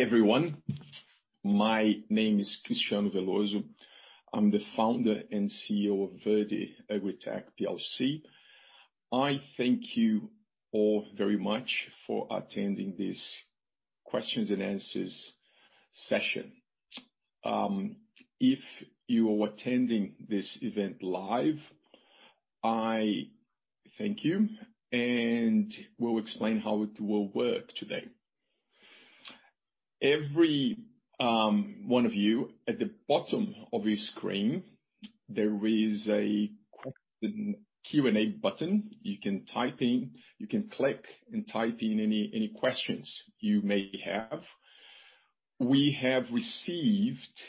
Hey everyone. My name is Cristiano Veloso. I'm the founder and CEO of Verde AgriTech PLC. I thank you all very much for attending this questions and answers session. If you are attending this event live, I thank you, and will explain how it will work today. Every one of you, at the bottom of your screen, there is a question Q&A button you can click and type in any questions you may have. We have received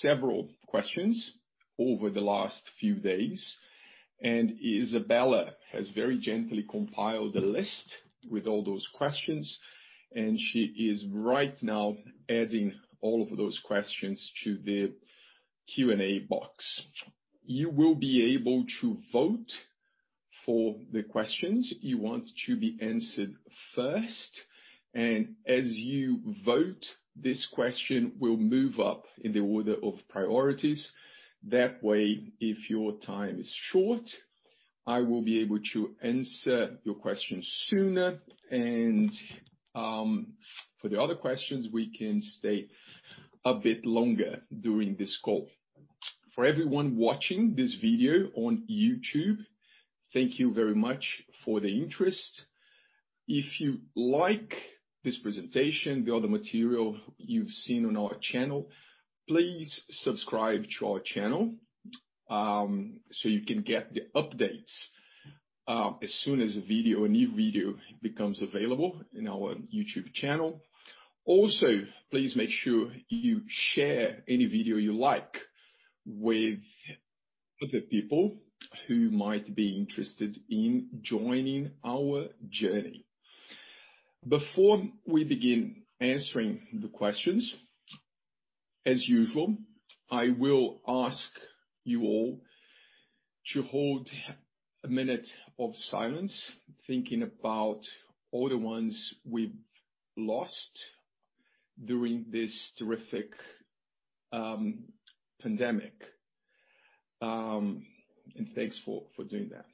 several questions over the last few days, and Isabella has very gently compiled a list with all those questions, and she is right now adding all of those questions to the Q&A box. You will be able to vote for the questions you want to be answered first, and as you vote, this question will move up in the order of priorities. That way, if your time is short, I will be able to answer your questions sooner and, for the other questions, we can stay a bit longer during this call. For everyone watching this video on YouTube, thank you very much for the interest. If you like this presentation, the other material you've seen on our channel, please subscribe to our channel, so you can get the updates as soon as a new video becomes available on our YouTube channel. Please make sure you share any video you like with other people who might be interested in joining our journey. Before we begin answering the questions, as usual, I will ask you all to hold a minute of silence, thinking about all the ones we've lost during this terrific pandemic. Thanks for doing that.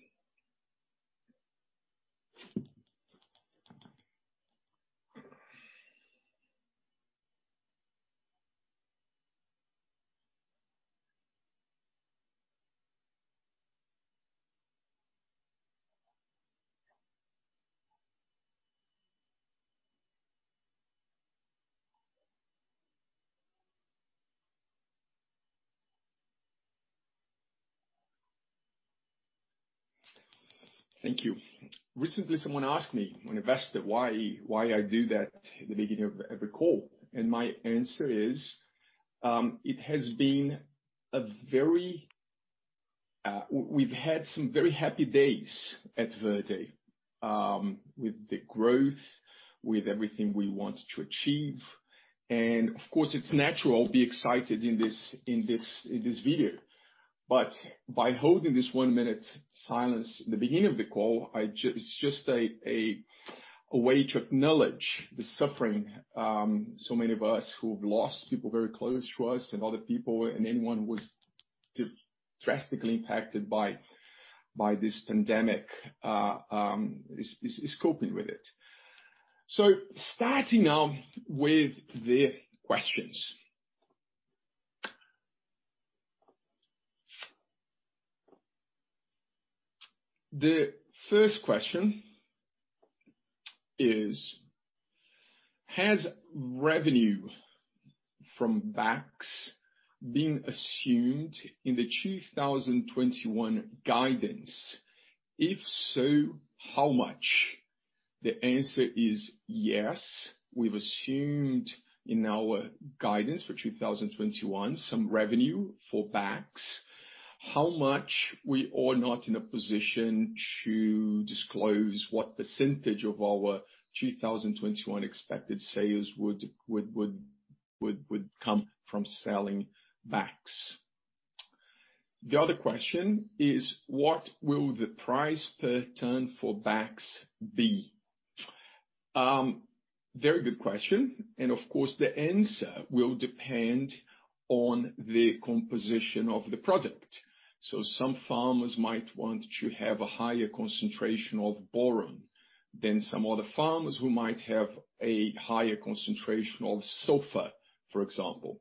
Thank you. Recently, someone asked me, an investor, why I do that at the beginning of every call. My answer is, we've had some very happy days at Verde, with the growth, with everything we want to achieve. Of course, it's natural to be excited in this video. By holding this one-minute silence at the beginning of the call, it's just a way to acknowledge the suffering so many of us who've lost people very close to us and other people and anyone who was drastically impacted by this pandemic is coping with it. Starting now with the questions. The first question is: Has revenue from BAKS been assumed in the 2021 guidance? If so, how much? The answer is yes. We've assumed in our guidance for 2021 some revenue for BAKS. How much? We are not in a position to disclose what percentage of our 2021 expected sales would come from selling BAKS. The other question is: What will the price per ton for BAKS be? Very good question. Of course, the answer will depend on the composition of the product. Some farmers might want to have a higher concentration of boron than some other farmers who might have a higher concentration of sulfur, for example.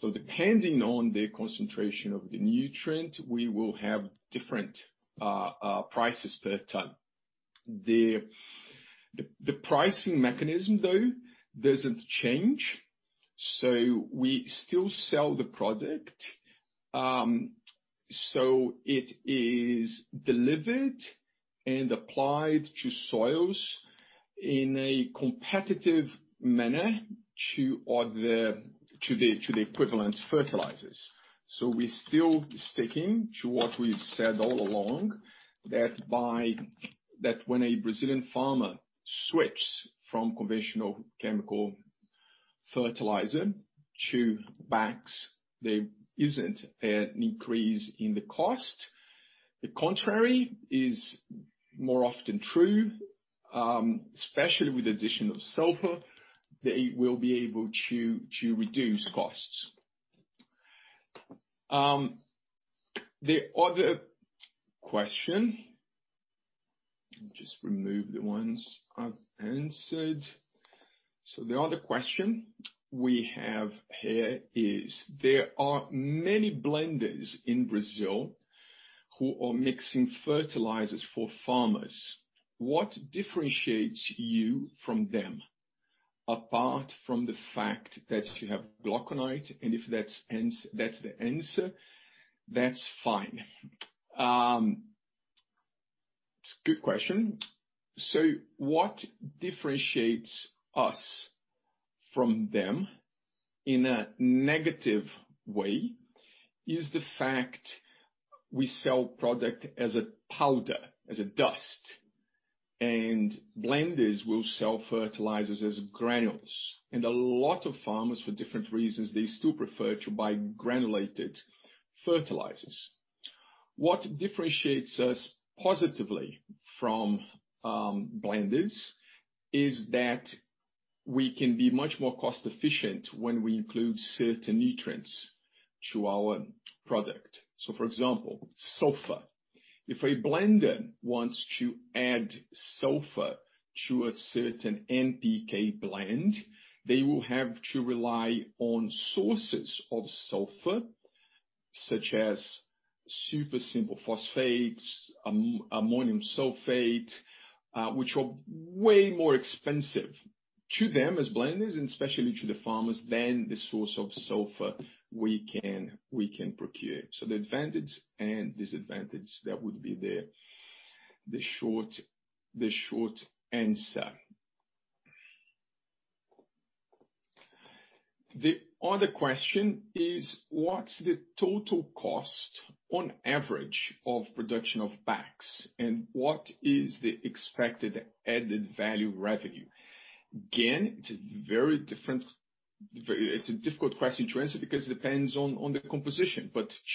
Depending on the concentration of the nutrient, we will have different prices per ton. The pricing mechanism, though, doesn't change. We still sell the product, so it is delivered and applied to soils in a competitive manner to the equivalent fertilizers. We're still sticking to what we've said all along, that when a Brazilian farmer switches from conventional chemical fertilizer to BAKS, there isn't an increase in the cost. More often true, especially with addition of sulfur, they will be able to reduce costs. The other question, let me just remove the ones I've answered. The other question we have here is, there are many blenders in Brazil who are mixing fertilizers for farmers. What differentiates you from them apart from the fact that you have glauconite, and if that's the answer, that's fine. It's a good question. What differentiates us from them in a negative way is the fact we sell product as a powder, as a dust, and blenders will sell fertilizers as granules. A lot of farmers, for different reasons, they still prefer to buy granulated fertilizers. What differentiates us positively from blenders is that we can be much more cost-efficient when we include certain nutrients to our product. For example, sulfur. If a blender wants to add sulfur to a certain NPK blend, they will have to rely on sources of sulfur, such as single superphosphate, ammonium sulfate which are way more expensive to them as blenders, and especially to the farmers, than the source of sulfur we can procure. The advantage and disadvantage, that would be the short answer. The other question is what's the total cost on average of production of BAKS, and what is the expected added value revenue? Again, it's a difficult question to answer because it depends on the composition.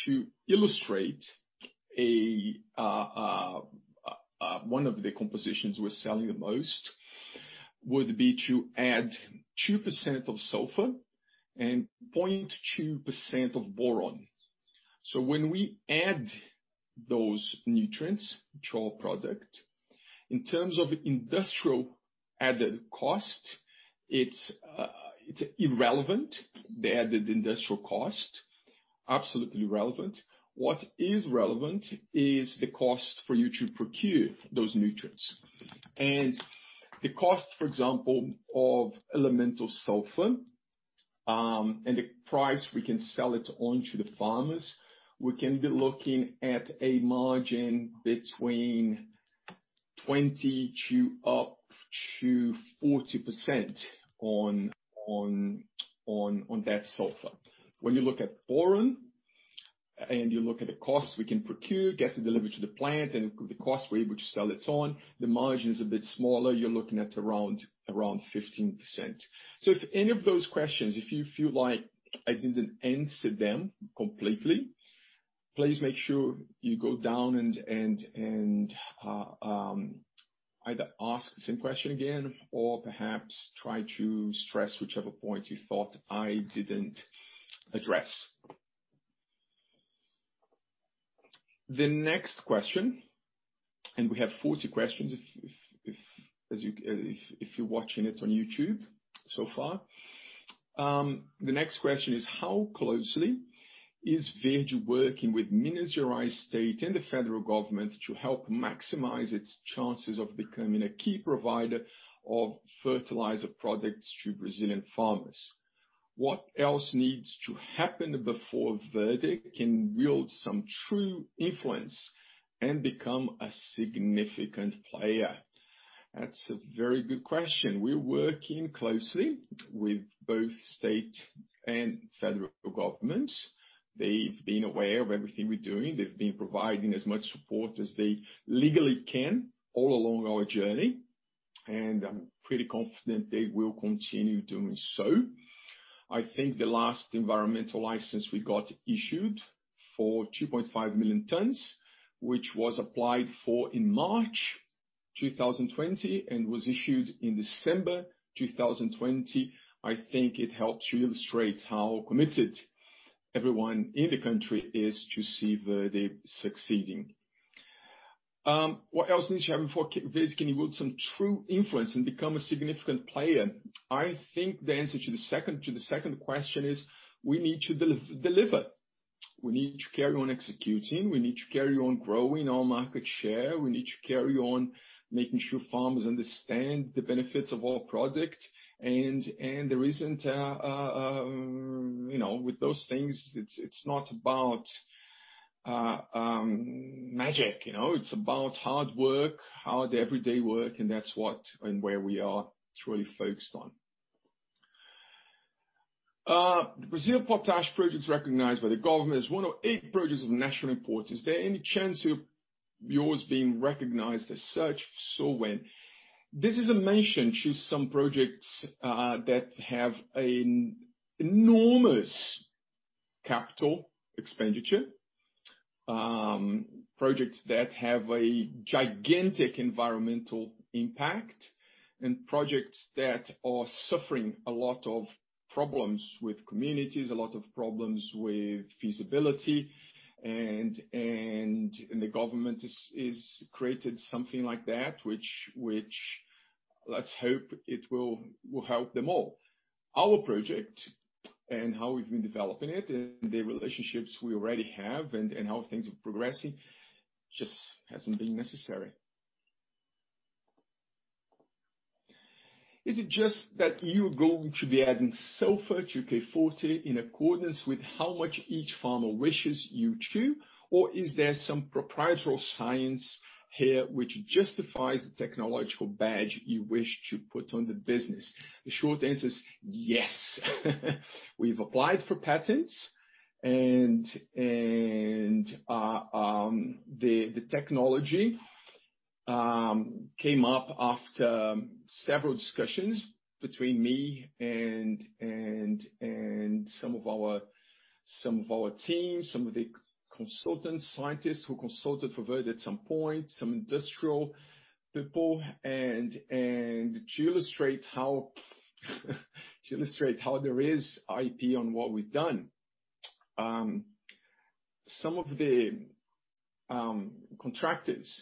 To illustrate one of the compositions we're selling the most would be to add 2% of sulfur and 0.2% of boron. When we add those nutrients to our product, in terms of industrial added cost, it's irrelevant, the added industrial cost. Absolutely irrelevant. What is relevant is the cost for you to procure those nutrients. The cost, for example, of elemental sulfur, and the price we can sell it on to the farmers, we can be looking at a margin between 20% up to 40% on that sulfur. When you look at boron and you look at the cost we can procure, get it delivered to the plant, and the cost we're able to sell it on, the margin's a bit smaller. You're looking at around 15%. If any of those questions, if you feel like I didn't answer them completely, please make sure you go down and either ask the same question again or perhaps try to stress whichever point you thought I didn't address. The next question, we have 40 questions if you're watching it on YouTube so far. The next question is, how closely is Verde working with Minas Gerais State and the federal government to help maximize its chances of becoming a key provider of fertilizer products to Brazilian farmers? What else needs to happen before Verde can wield some true influence and become a significant player? That's a very good question. We're working closely with both state and federal governments. They've been aware of everything we're doing. They've been providing as much support as they legally can all along our journey, and I'm pretty confident they will continue doing so. I think the last environmental license we got issued for 2.5 million tons, which was applied for in March 2020 and was issued in December 2020, I think it helps to illustrate how committed everyone in the country is to see Verde succeeding. What else needs to happen before Verde can wield some true influence and become a significant player? I think the answer to the second question is we need to deliver. We need to carry on executing. We need to carry on growing our market share. We need to carry on making sure farmers understand the benefits of our product. With those things, it's not about magic. It's about hard work, hard everyday work, and that's what and where we are truly focused on. The Brazil potash project's recognized by the government as one of eight projects of national importance. Is there any chance of yours being recognized as such? If so, when? This is a mention to some projects that have an enormous Capital expenditure. Projects that have a gigantic environmental impact and projects that are suffering a lot of problems with communities, a lot of problems with feasibility, and the government has created something like that, which let's hope it will help them all. Our project and how we've been developing it and the relationships we already have and how things are progressing, just hasn't been necessary. Is it just that you're going to be adding sulfur to K Forte in accordance with how much each farmer wishes you to? Is there some proprietary science here which justifies the technological badge you wish to put on the business? The short answer is yes. We've applied for patents and the technology came up after several discussions between me and some of our team, some of the consultants, scientists who consulted for Verde at some point, some industrial people. To illustrate how there is IP on what we've done, some of the contractors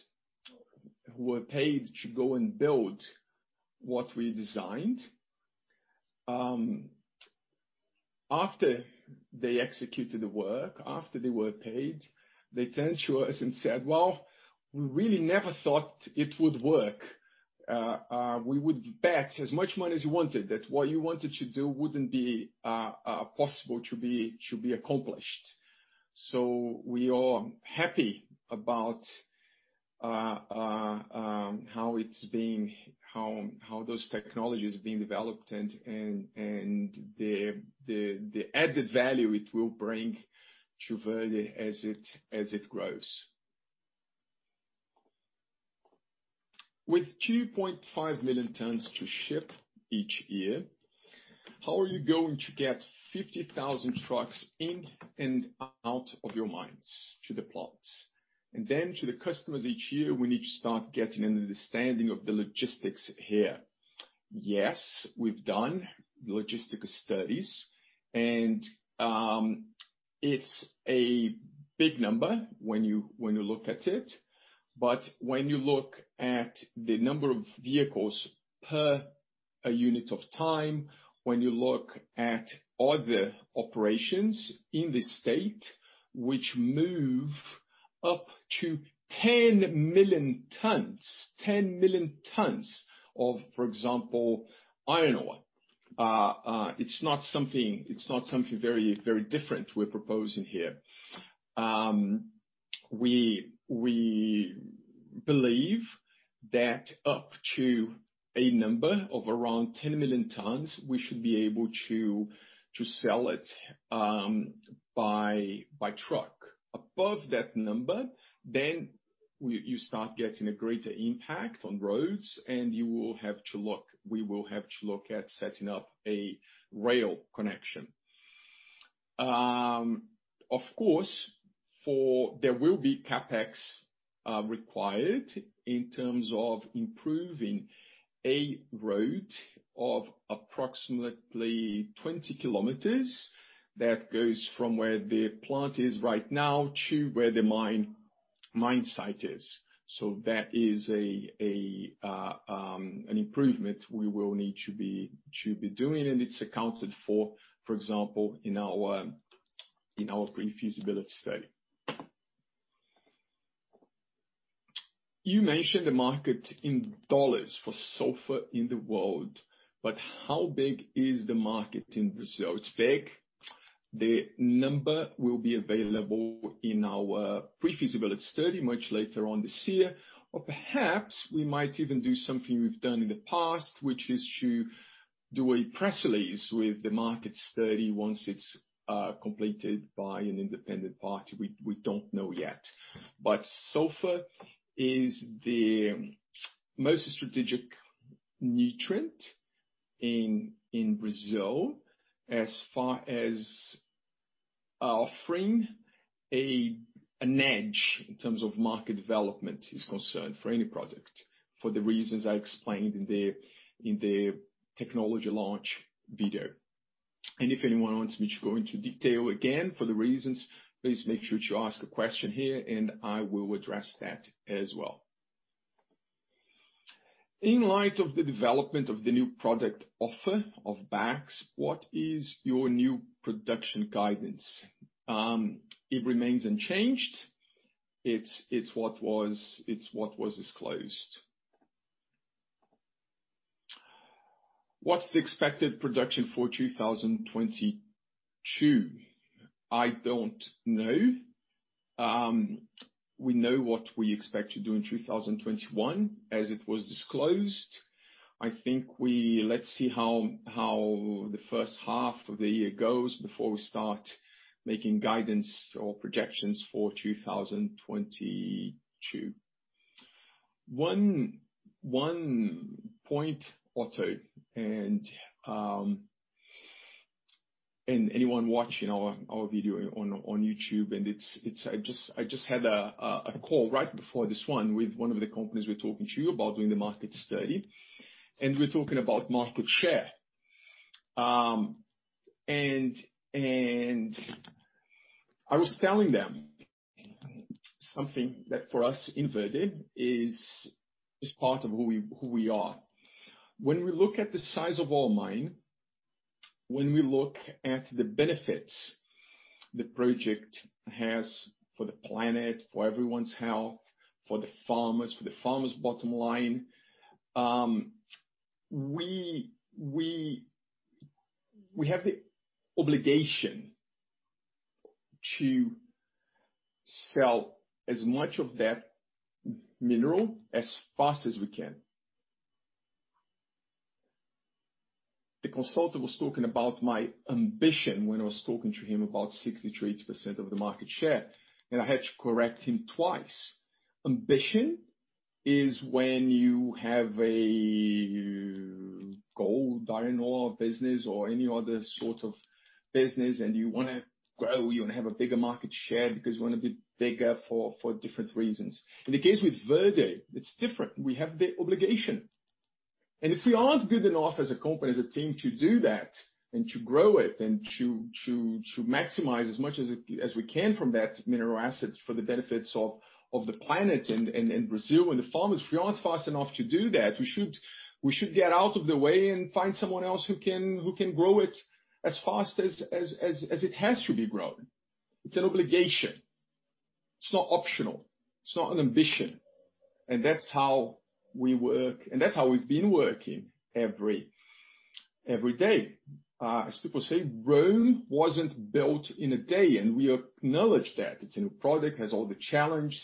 who were paid to go and build what we designed, after they executed the work, after they were paid, they turned to us and said, "Well, we really never thought it would work. We would bet as much money as you wanted that what you wanted to do wouldn't be possible to be accomplished." We are happy about how those technologies are being developed and the added value it will bring to Verde as it grows. With 2.5 million tons to ship each year, how are you going to get 50,000 trucks in and out of your mines to the plants and then to the customers each year? We need to start getting an understanding of the logistics here. Yes, we've done logistical studies and it's a big number when you look at it. When you look at the number of vehicles per unit of time, when you look at other operations in the state, which move up to 10 million tons, 10 million tons of, for example, iron ore. It's not something very different we're proposing here. We believe that up to a number of around 10 million tons, we should be able to sell it by truck. Above that number, then you start getting a greater impact on roads, and we will have to look at setting up a rail connection. Of course, there will be CapEx required in terms of improving a road of approximately 20 km that goes from where the plant is right now to where the mine site is. That is an improvement we will need to be doing, and it's accounted for example, in our pre-feasibility study. You mentioned the market in dollars for sulfur in the world, but how big is the market in Brazil? It is big. The number will be available in our pre-feasibility study much later on this year. Perhaps we might even do something we have done in the past, which is to do a press release with the market study once it is completed by an independent party. We do not know yet. Sulfur is the most strategic nutrient in Brazil as far as offering an edge in terms of market development is concerned for any product for the reasons I explained in the technology launch video. If anyone wants me to go into detail again for the reasons, please make sure to ask a question here and I will address that as well. In light of the development of the new product offer of BAKS, what is your new production guidance? It remains unchanged. It's what was disclosed. What's the expected production for 2022? I don't know. We know what we expect to do in 2021 as it was disclosed. I think let's see how the first half of the year goes before we start making guidance or projections for 2022. One point, Otto, and anyone watching our video on YouTube. I just had a call right before this one with one of the companies we're talking to about doing the market study, and we're talking about market share. I was telling them something that for us in Verde is part of who we are. When we look at the size of our mine, when we look at the benefits the project has for the planet, for everyone's health, for the farmers, for the farmers' bottom line, we have the obligation to sell as much of that mineral as fast as we can. The consultant was talking about my ambition when I was talking to him about 60%-80% of the market share. I had to correct him twice. Ambition is when you have a gold mining business or any other sort of business. You want to grow, you want to have a bigger market share because you want to be bigger for different reasons. In the case with Verde, it's different. We have the obligation. If we aren't good enough as a company, as a team to do that, and to grow it, and to maximize as much as we can from that mineral asset for the benefits of the planet and Brazil and the farmers, if we aren't fast enough to do that, we should get out of the way and find someone else who can grow it as fast as it has to be grown. It's an obligation. It's not optional. It's not an ambition. That's how we work, and that's how we've been working every day. As people say, Rome wasn't built in a day, and we acknowledge that. It's a new product, has all the challenge,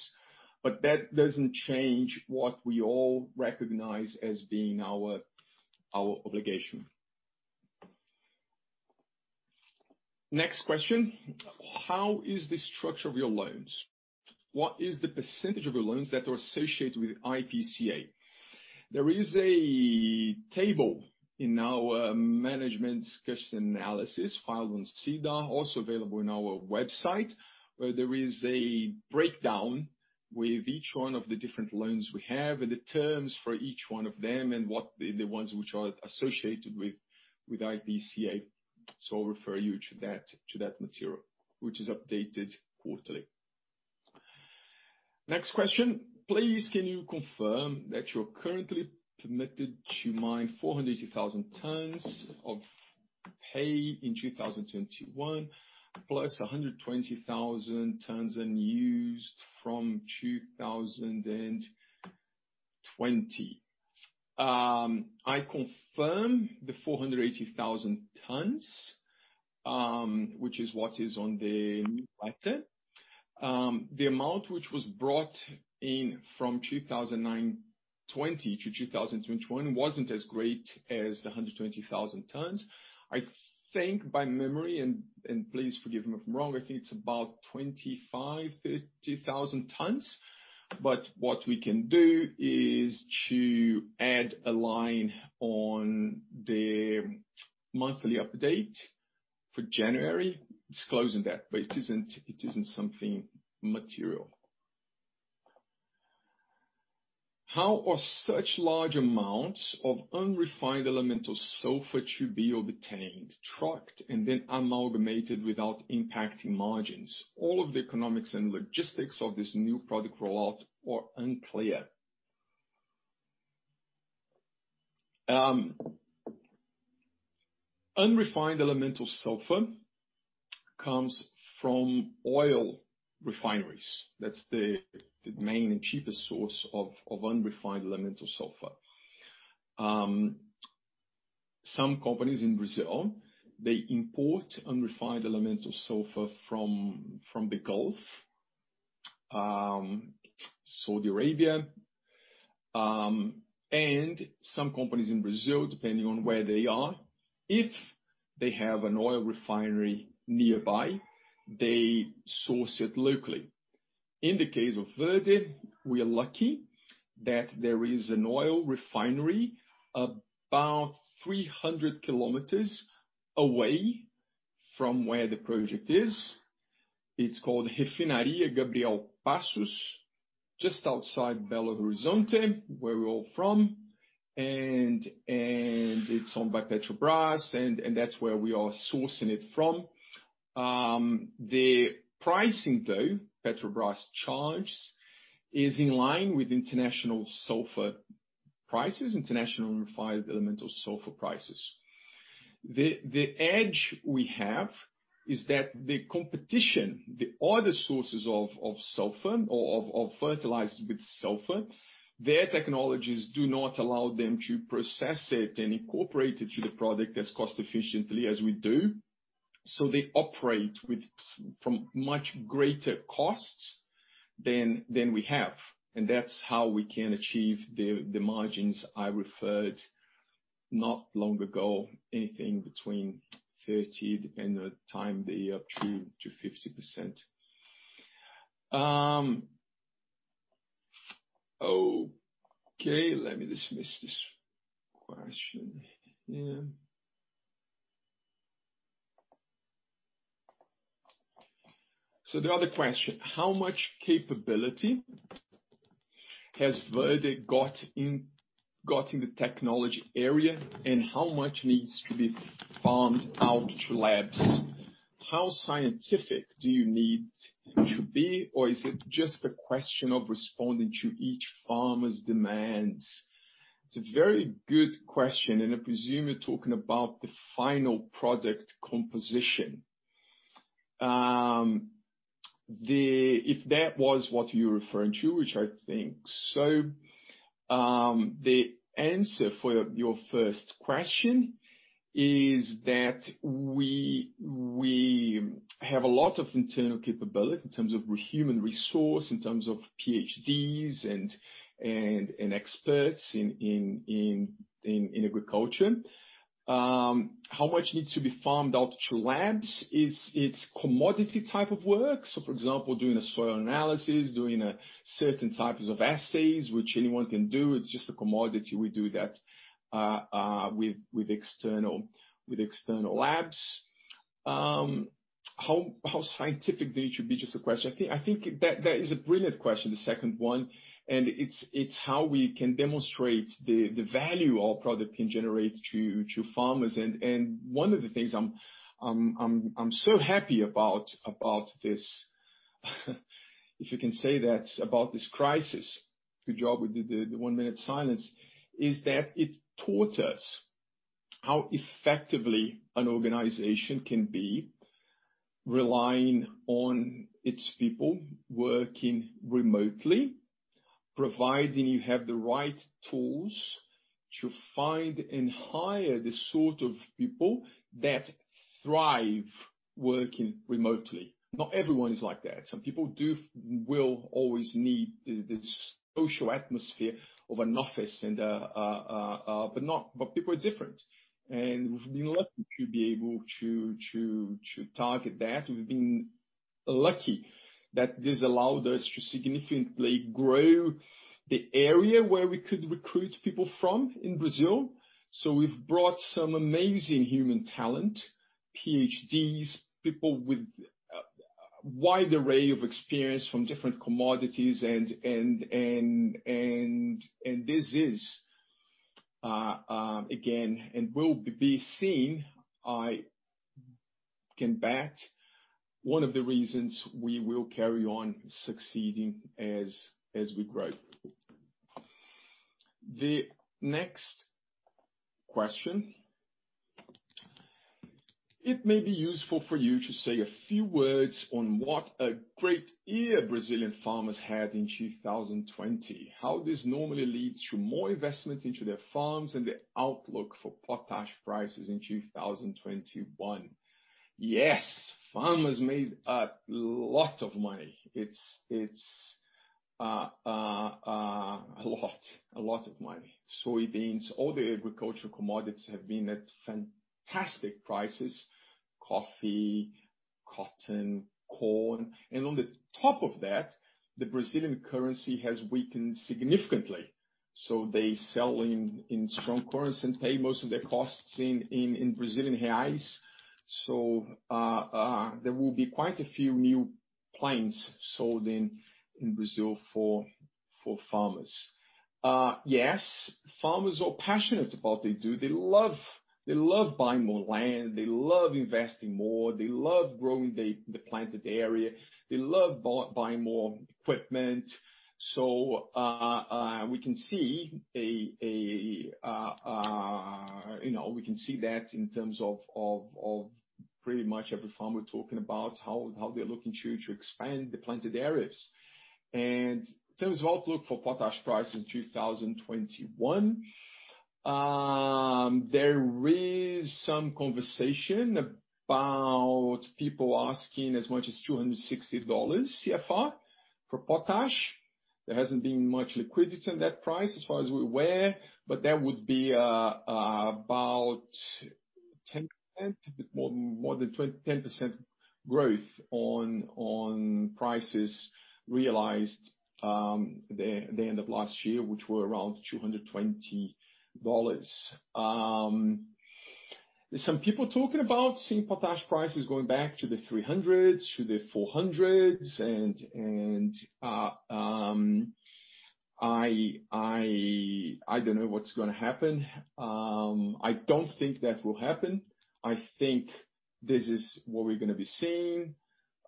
but that doesn't change what we all recognize as being our obligation. Next question. How is the structure of your loans? What is the percentage of your loans that are associated with IPCA? There is a table in our management discussion analysis filed on SEDAR, also available on our website, where there is a breakdown with each one of the different loans we have and the terms for each one of them, and the ones which are associated with IPCA. I'll refer you to that material, which is updated quarterly. Next question. Please, can you confirm that you're currently permitted to mine 480,000 tons of K Forte in 2021, plus 120,000 tons unused from 2020? I confirm the 480,000 tons, which is what is on the new letter. The amount which was brought in from 2020 to 2021 wasn't as great as the 120,000 tons. I think, by memory, and please forgive me if I'm wrong, I think it's about 25,000, 30,000 tons. What we can do is to add a line on the monthly update for January disclosing that, but it isn't something material. How are such large amounts of unrefined elemental sulfur to be obtained, tracked, and then amalgamated without impacting margins? All of the economics and logistics of this new product rollout are unclear. Unrefined elemental sulfur comes from oil refineries. That's the main and cheapest source of unrefined elemental sulfur. Some companies in Brazil, they import unrefined elemental sulfur from the Gulf, Saudi Arabia. Some companies in Brazil, depending on where they are, if they have an oil refinery nearby, they source it locally. In the case of Verde, we are lucky that there is an oil refinery about 300 km away from where the project is. It's called Refinaria Gabriel Passos, just outside Belo Horizonte, where we're all from. It's owned by Petrobras, and that's where we are sourcing it from. The pricing, though, Petrobras charges, is in line with international sulfur prices, international refined elemental sulfur prices. The edge we have is that the competition, the other sources of sulfur or of fertilizers with sulfur, their technologies do not allow them to process it and incorporate it to the product as cost-efficiently as we do. They operate from much greater costs than we have, and that's how we can achieve the margins I referred not long ago, anything between 30%, depending on the time of the year, up to 50%. Okay, let me dismiss this question. The other question, how much capability has Verde got in the technology area, and how much needs to be farmed out to labs? How scientific do you need to be, or is it just a question of responding to each farmer's demands? It's a very good question. I presume you're talking about the final product composition. If that was what you're referring to, which I think so, the answer for your first question is that we have a lot of internal capability in terms of human resource, in terms of PhDs and experts in agriculture. How much needs to be farmed out to labs? It's commodity type of work. For example, doing a soil analysis, doing certain types of assays, which anyone can do. It's just a commodity. We do that with external labs. How scientific they should be? Just a question. I think that is a brilliant question, the second one. It's how we can demonstrate the value our product can generate to farmers. One of the things I'm so happy about this, if you can say that about this crisis, good job with the one-minute silence, is that it taught us how effectively an organization can be relying on its people, working remotely, providing you have the right tools to find and hire the sort of people that thrive working remotely. Not everyone is like that. Some people will always need the social atmosphere of an office, but people are different, and we've been lucky to be able to target that. We've been lucky that this allowed us to significantly grow the area where we could recruit people from in Brazil. We've brought some amazing human talent, PhDs, people with a wide array of experience from different commodities. This is, again, and will be seen, I can bet, one of the reasons we will carry on succeeding as we grow. The next question. It may be useful for you to say a few words on what a great year Brazilian farmers had in 2020, how this normally leads to more investment into their farms, and the outlook for potash prices in 2021. Yes, farmers made a lot of money. It's a lot of money. Soybeans, all the agricultural commodities have been at fantastic prices, coffee, cotton, corn. On the top of that, the Brazilian currency has weakened significantly. They sell in strong currency and pay most of their costs in Brazilian reals. There will be quite a few new planes sold in Brazil for farmers. Yes, farmers are passionate about what they do. They love buying more land. They love investing more. They love growing the planted area. They love buying more equipment. We can see that in terms of pretty much every farmer talking about how they're looking to expand the planted areas. In terms of outlook for potash price in 2021, there is some conversation about people asking as much as $260 CFR for potash. There hasn't been much liquidity in that price as far as we're aware, but that would be about more than 10% growth on prices realized the end of last year, which were around $220. There's some people talking about seeing potash prices going back to the $300s, to the $400s, and I don't know what's gonna happen. I don't think that will happen. I think this is what we're gonna be seeing,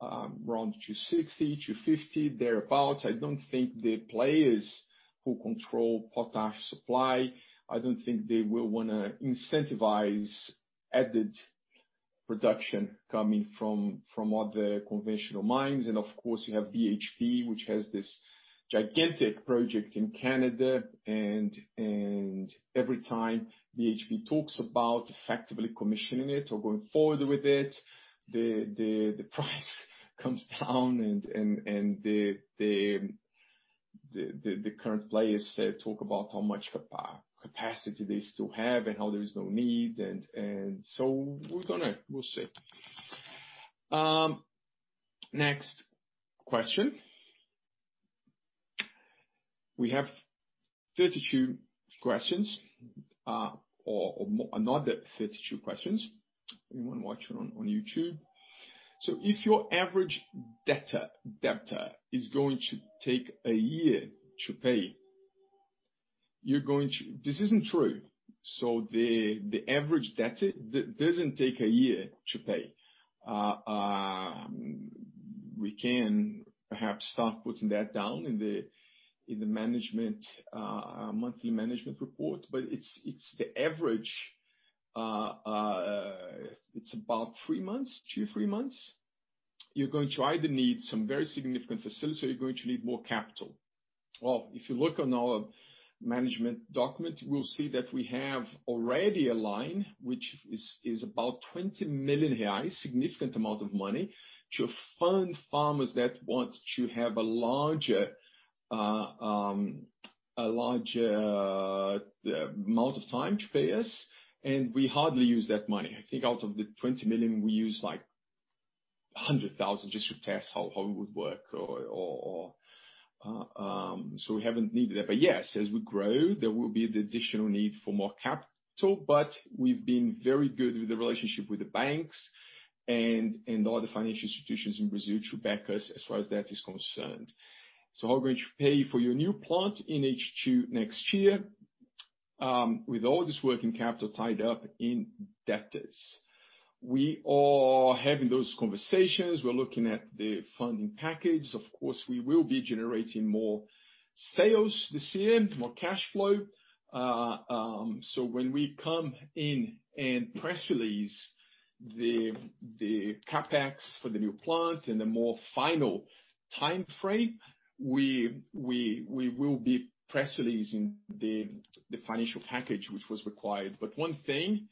around $260, $250, thereabout. I don't think the players who control potash supply, I don't think they will wanna incentivize added production coming from other conventional mines. Of course, you have BHP, which has this gigantic project in Canada, and every time BHP talks about effectively commissioning it or going forward with it, the price comes down and the current players talk about how much capacity they still have and how there is no need. We'll see. Next question. We have 32 questions, or another 32 questions. Anyone watching on YouTube. If your average debtor is going to take a year to pay, this isn't true. The average debtor doesn't take a year to pay. We can perhaps start putting that down in the monthly management report, but it's the average. It's about three months. Two, three months. You're going to either need some very significant facility or you're going to need more capital. If you look on our management document, you will see that we have already a line, which is about 20 million reais, significant amount of money, to fund farmers that want to have a larger amount of time to pay us. We hardly use that money. I think out of the 20 million, we use like 100,000 just to test how it would work. We haven't needed that. Yes, as we grow, there will be the additional need for more capital. We've been very good with the relationship with the banks and all the financial institutions in Brazil to back us as far as that is concerned. How are we going to pay for your new plant in H2 next year with all this working capital tied up in debtors? We are having those conversations. We're looking at the funding package. Of course, we will be generating more sales this year, more cash flow. When we come in and press release the CapEx for the new plant and the more final time frame, we will be press releasing the financial package which was required. One thing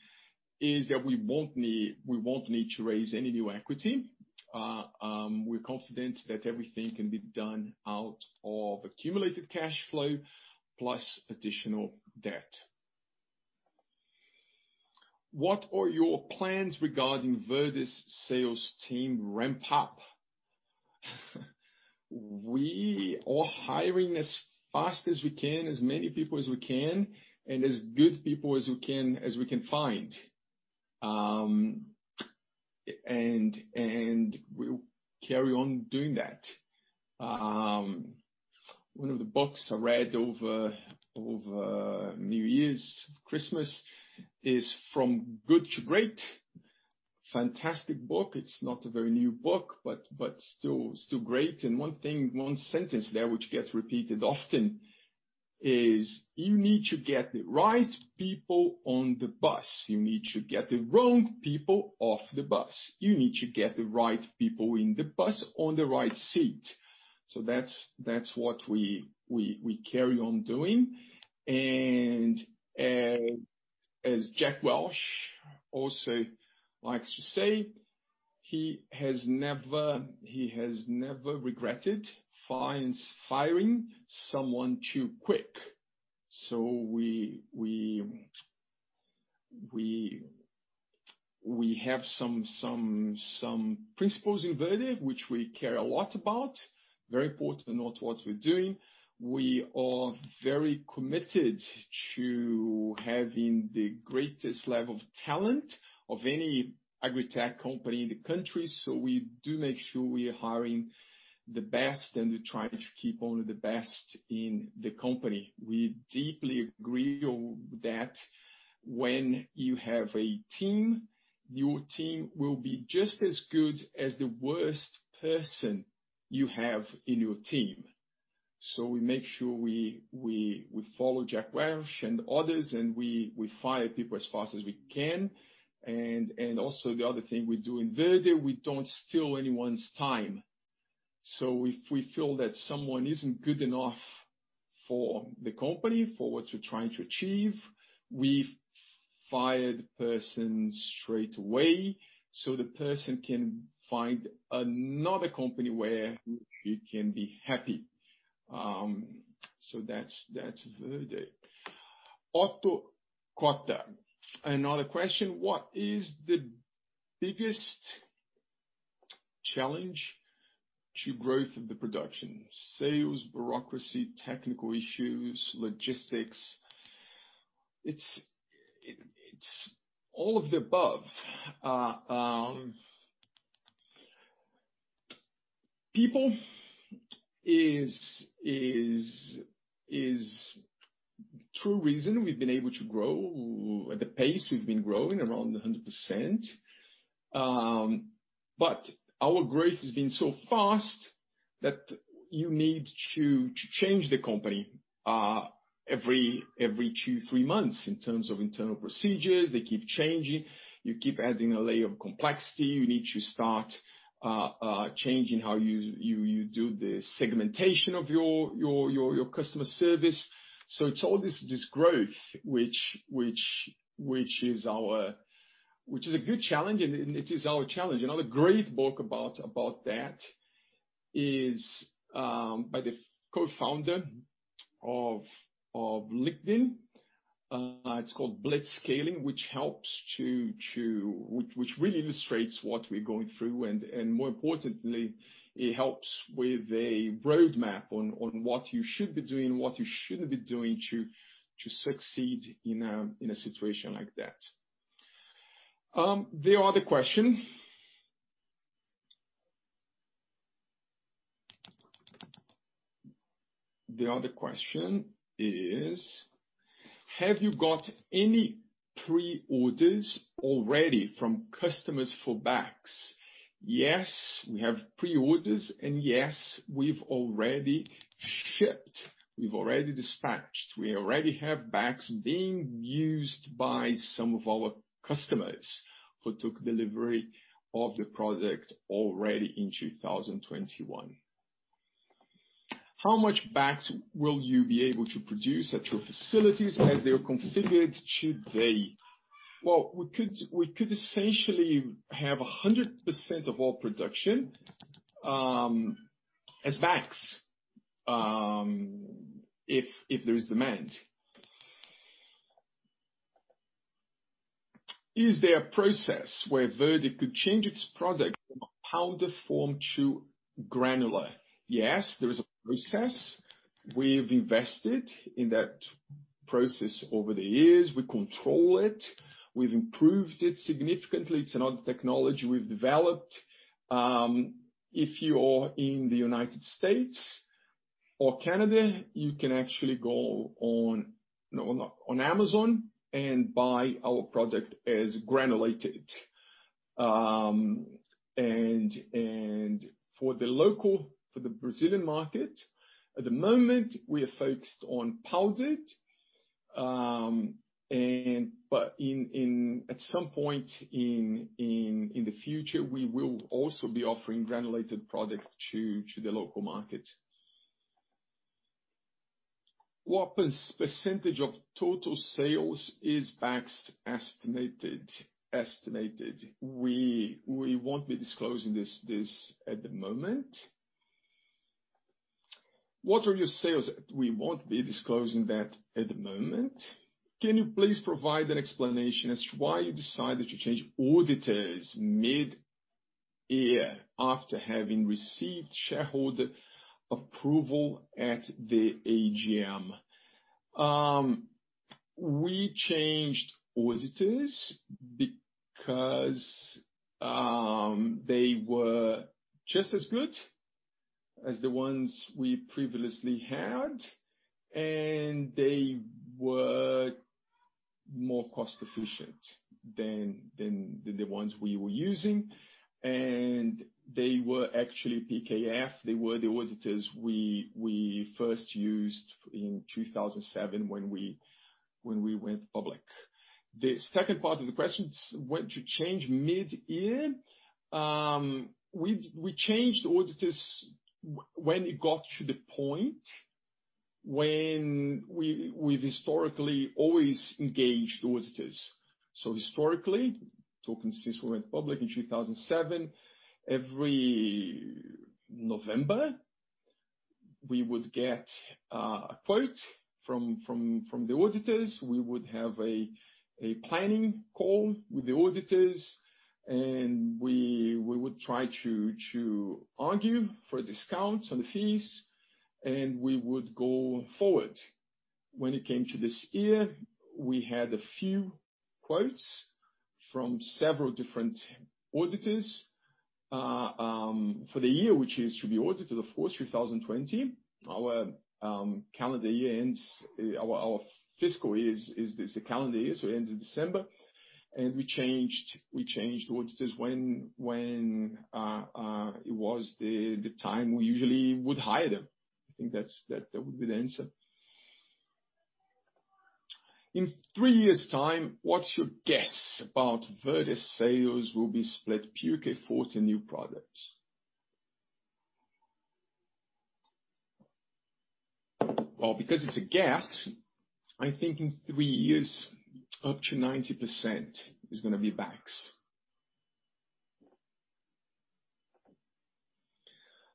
is that we won't need to raise any new equity. We're confident that everything can be done out of accumulated cash flow plus additional debt. What are your plans regarding Verde's sales team ramp up? We are hiring as fast as we can, as many people as we can, and as good people as we can find. We'll carry on doing that. One of the books I read over New Year's, Christmas, is "Good to Great." Fantastic book. It's not a very new book, but still great. One thing, one sentence there, which gets repeated often is, you need to get the right people on the bus. You need to get the wrong people off the bus. You need to get the right people in the bus on the right seat. That's what we carry on doing. As Jack Welch also likes to say, he has never regretted firing someone too quick. We have some principles in Verde, which we care a lot about, very important in what we're doing. We are very committed to having the greatest level of talent of any agritech company in the country. We do make sure we are hiring the best and we're trying to keep only the best in the company. We deeply agree that when you have a team, your team will be just as good as the worst person you have in your team. We make sure we follow Jack Welch and others, we fire people as fast as we can. Also the other thing we do in Verde, we don't steal anyone's time. If we feel that someone isn't good enough for the company, for what we're trying to achieve, we fire the person straight away so the person can find another company where he can be happy. That's Verde. Otto Cota. Another question: What is the biggest challenge to growth of the production? Sales, bureaucracy, technical issues, logistics? It's all of the above. People is true reason we've been able to grow at the pace we've been growing around 100%. Our growth has been so fast that you need to change the company every two, three months in terms of internal procedures. They keep changing. You keep adding a layer of complexity. You need to start changing how you do the segmentation of your customer service. It's all this growth, which is a good challenge, and it is our challenge. Another great book about that is by the co-founder of LinkedIn. It's called Blitzscaling, which really illustrates what we're going through, and more importantly, it helps with a roadmap on what you should be doing, what you shouldn't be doing to succeed in a situation like that. The other question is, have you got any pre-orders already from customers for BAKS? Yes, we have pre-orders, and yes, we've already shipped. We've already dispatched. We already have BAKS being used by some of our customers who took delivery of the product already in 2021. How much BAKS will you be able to produce at your facilities as they are configured today? Well, we could essentially have 100% of all production as BAKS if there is demand. Is there a process where Verde could change its product from powder form to granular? Yes, there is a process. We've invested in that process over the years. We control it. We've improved it significantly. It's another technology we've developed. If you're in the United States or Canada, you can actually go on Amazon and buy our product as granulated. For the local, for the Brazilian market, at the moment, we are focused on powdered, but at some point in the future, we will also be offering granulated product to the local market. What percentage of total sales is BAKS estimated? We won't be disclosing this at the moment. What are your sales? We won't be disclosing that at the moment. Can you please provide an explanation as to why you decided to change auditors mid-year after having received shareholder approval at the AGM? We changed auditors because they were just as good as the ones we previously had, and they were more cost-efficient than the ones we were using. They were actually PKF. They were the auditors we first used in 2007, when we went public. The second part of the question, why to change mid-year? We changed auditors when it got to the point when we've historically always engaged auditors. Historically, Verde went public in 2007. Every November, we would get a quote from the auditors. We would have a planning call with the auditors, and we would try to argue for a discount on the fees, and we would go forward. When it came to this year, we had a few quotes from several different auditors for the year, which is to be audited, of course, 2020. Our fiscal year is the calendar year, so it ends in December, and we changed auditors when it was the time we usually would hire them. I think that would be the answer. In three years' time, what's your guess about Verde's sales will be split purely for the new products? Well, because it's a guess, I think in three years, up to 90% is going to be BAKS.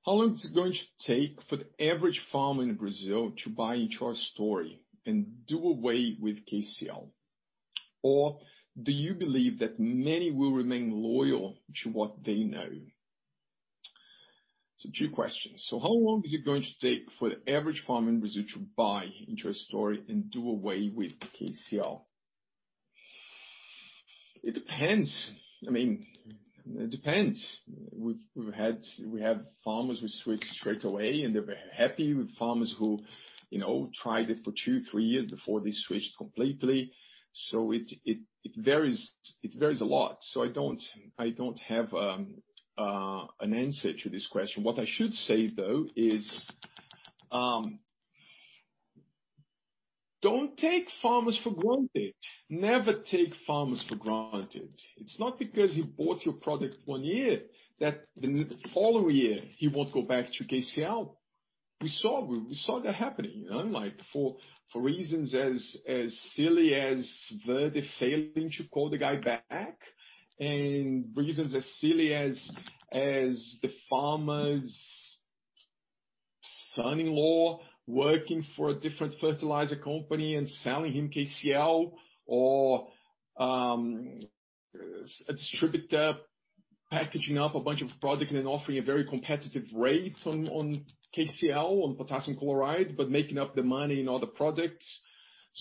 How long is it going to take for the average farmer in Brazil to buy into our story and do away with KCl? Do you believe that many will remain loyal to what they know? Two questions. How long is it going to take for the average farmer in Brazil to buy into our story and do away with KCl? It depends. We have farmers who switch straight away, and they're very happy with farmers who tried it for two, three years before they switched completely. It varies a lot. I don't have an answer to this question. What I should say, though, is don't take farmers for granted. Never take farmers for granted. It's not because he bought your product one year that the following year he won't go back to KCl. We saw that happening. For reasons as silly as Verde failing to call the guy back, and reasons as silly as the farmer's son-in-law working for a different fertilizer company and selling him KCl, or a distributor packaging up a bunch of product and then offering a very competitive rate on KCl, on potassium chloride, but making up the money in other products.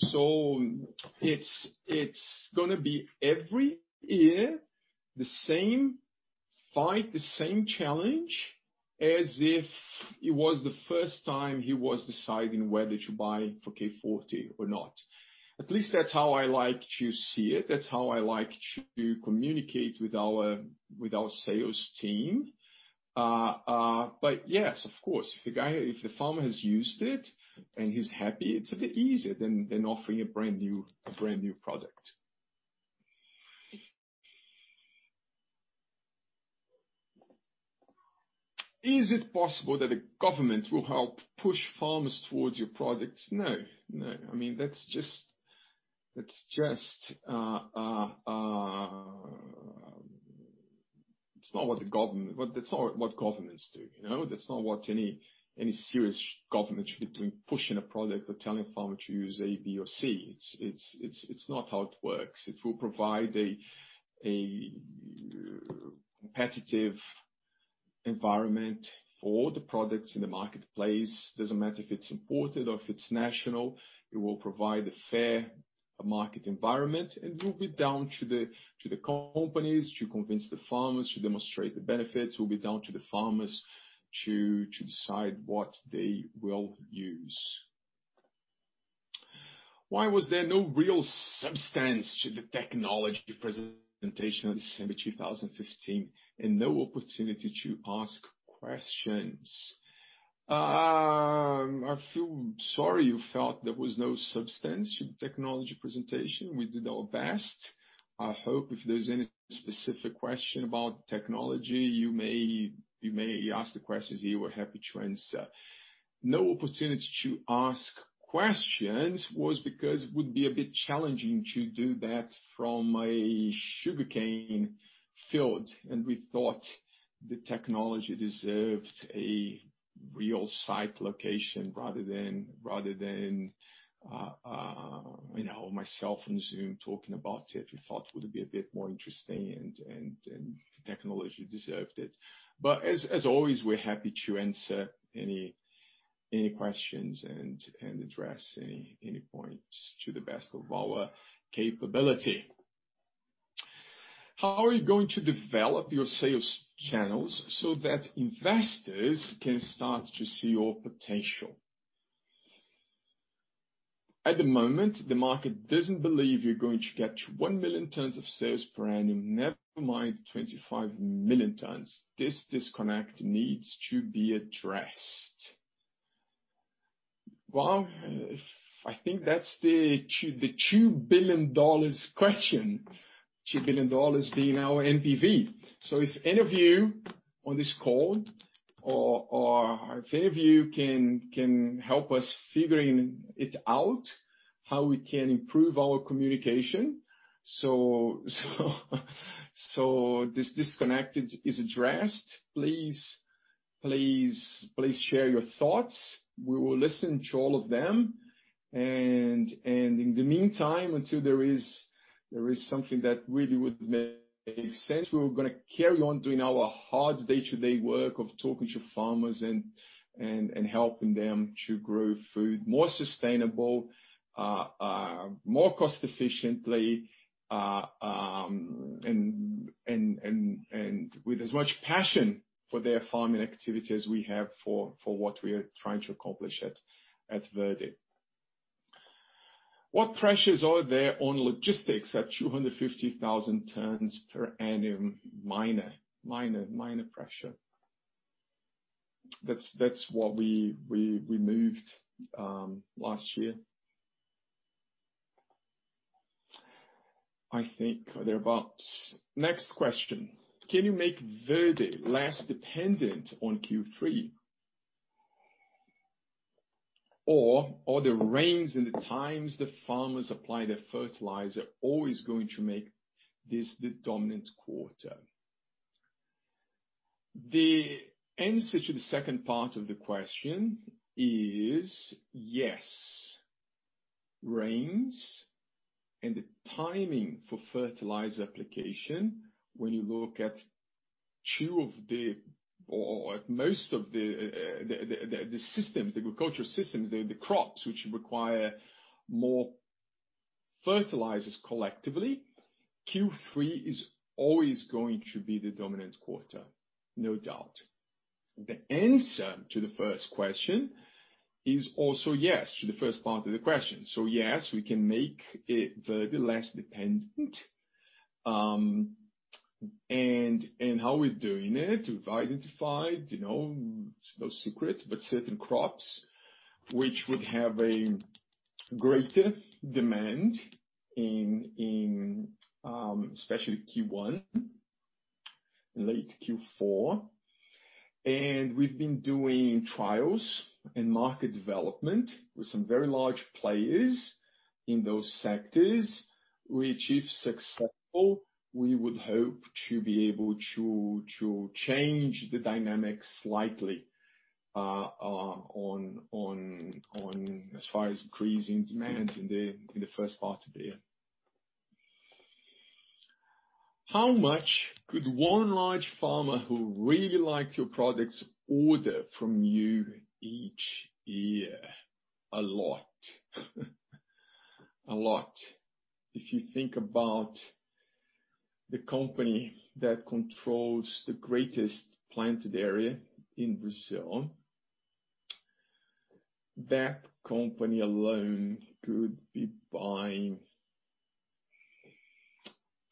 It's going to be every year, the same fight, the same challenge, as if it was the first time he was deciding whether to buy for K Forte or not. At least that's how I like to see it. That's how I like to communicate with our sales team. Yes, of course, if the farmer has used it and he's happy, it's a bit easier than offering a brand-new product. Is it possible that the government will help push farmers towards your products? No. That's not what governments do. That's not what any serious government should be doing, pushing a product or telling a farmer to use A, B, or C. It's not how it works. It will provide a competitive environment for all the products in the marketplace. Doesn't matter if it's imported or if it's national, it will provide a fair market environment. It will be down to the companies to convince the farmers to demonstrate the benefits. It will be down to the farmers to decide what they will use. Why was there no real substance to the technology presentation on December 2015, and no opportunity to ask questions? I feel sorry you felt there was no substance to the technology presentation. We did our best. I hope if there's any specific question about technology, you may ask the questions, we were happy to answer. No opportunity to ask questions was because it would be a bit challenging to do that from a sugarcane field, and we thought the technology deserved a real site location rather than myself on Zoom talking about it. We thought it would be a bit more interesting, and the technology deserved it. As always, we're happy to answer any questions and address any points to the best of our capability. How are you going to develop your sales channels so that investors can start to see your potential? At the moment, the market doesn't believe you're going to get to one million tons of sales per annum, never mind 25 million tons. This disconnect needs to be addressed. I think that's the $2 billion question, $2 billion being our NPV. If any of you on this call, or if any of you can help us figuring it out, how we can improve our communication so this disconnect is addressed, please share your thoughts. We will listen to all of them. In the meantime, until there is something that really would make sense, we were going to carry on doing our hard day-to-day work of talking to farmers and helping them to grow food more sustainable, more cost efficiently, and with as much passion for their farming activity as we have for what we are trying to accomplish at Verde. What pressures are there on logistics at 250,000 tons per annum? Minor pressure. That's what we moved last year. I think thereabouts. Next question. Can you make Verde less dependent on Q3? Are the rains and the times the farmers apply their fertilizer always going to make this the dominant quarter? The answer to the second part of the question is yes. Rains and the timing for fertilizer application, when you look at most of the systems, the agricultural systems, the crops which require more fertilizers collectively, Q3 is always going to be the dominant quarter, no doubt. The answer to the first question is also yes, to the first part of the question. Yes, we can make Verde less dependent. How we're doing it, we've identified, it's no secret, but certain crops which would have a greater demand in especially Q1, late Q4. We've been doing trials and market development with some very large players in those sectors, which, if successful, we would hope to be able to change the dynamics slightly as far as increasing demand in the first part of the year. How much could one large farmer who really liked your products order from you each year? A lot. A lot. If you think about the company that controls the greatest planted area in Brazil, that company alone could be buying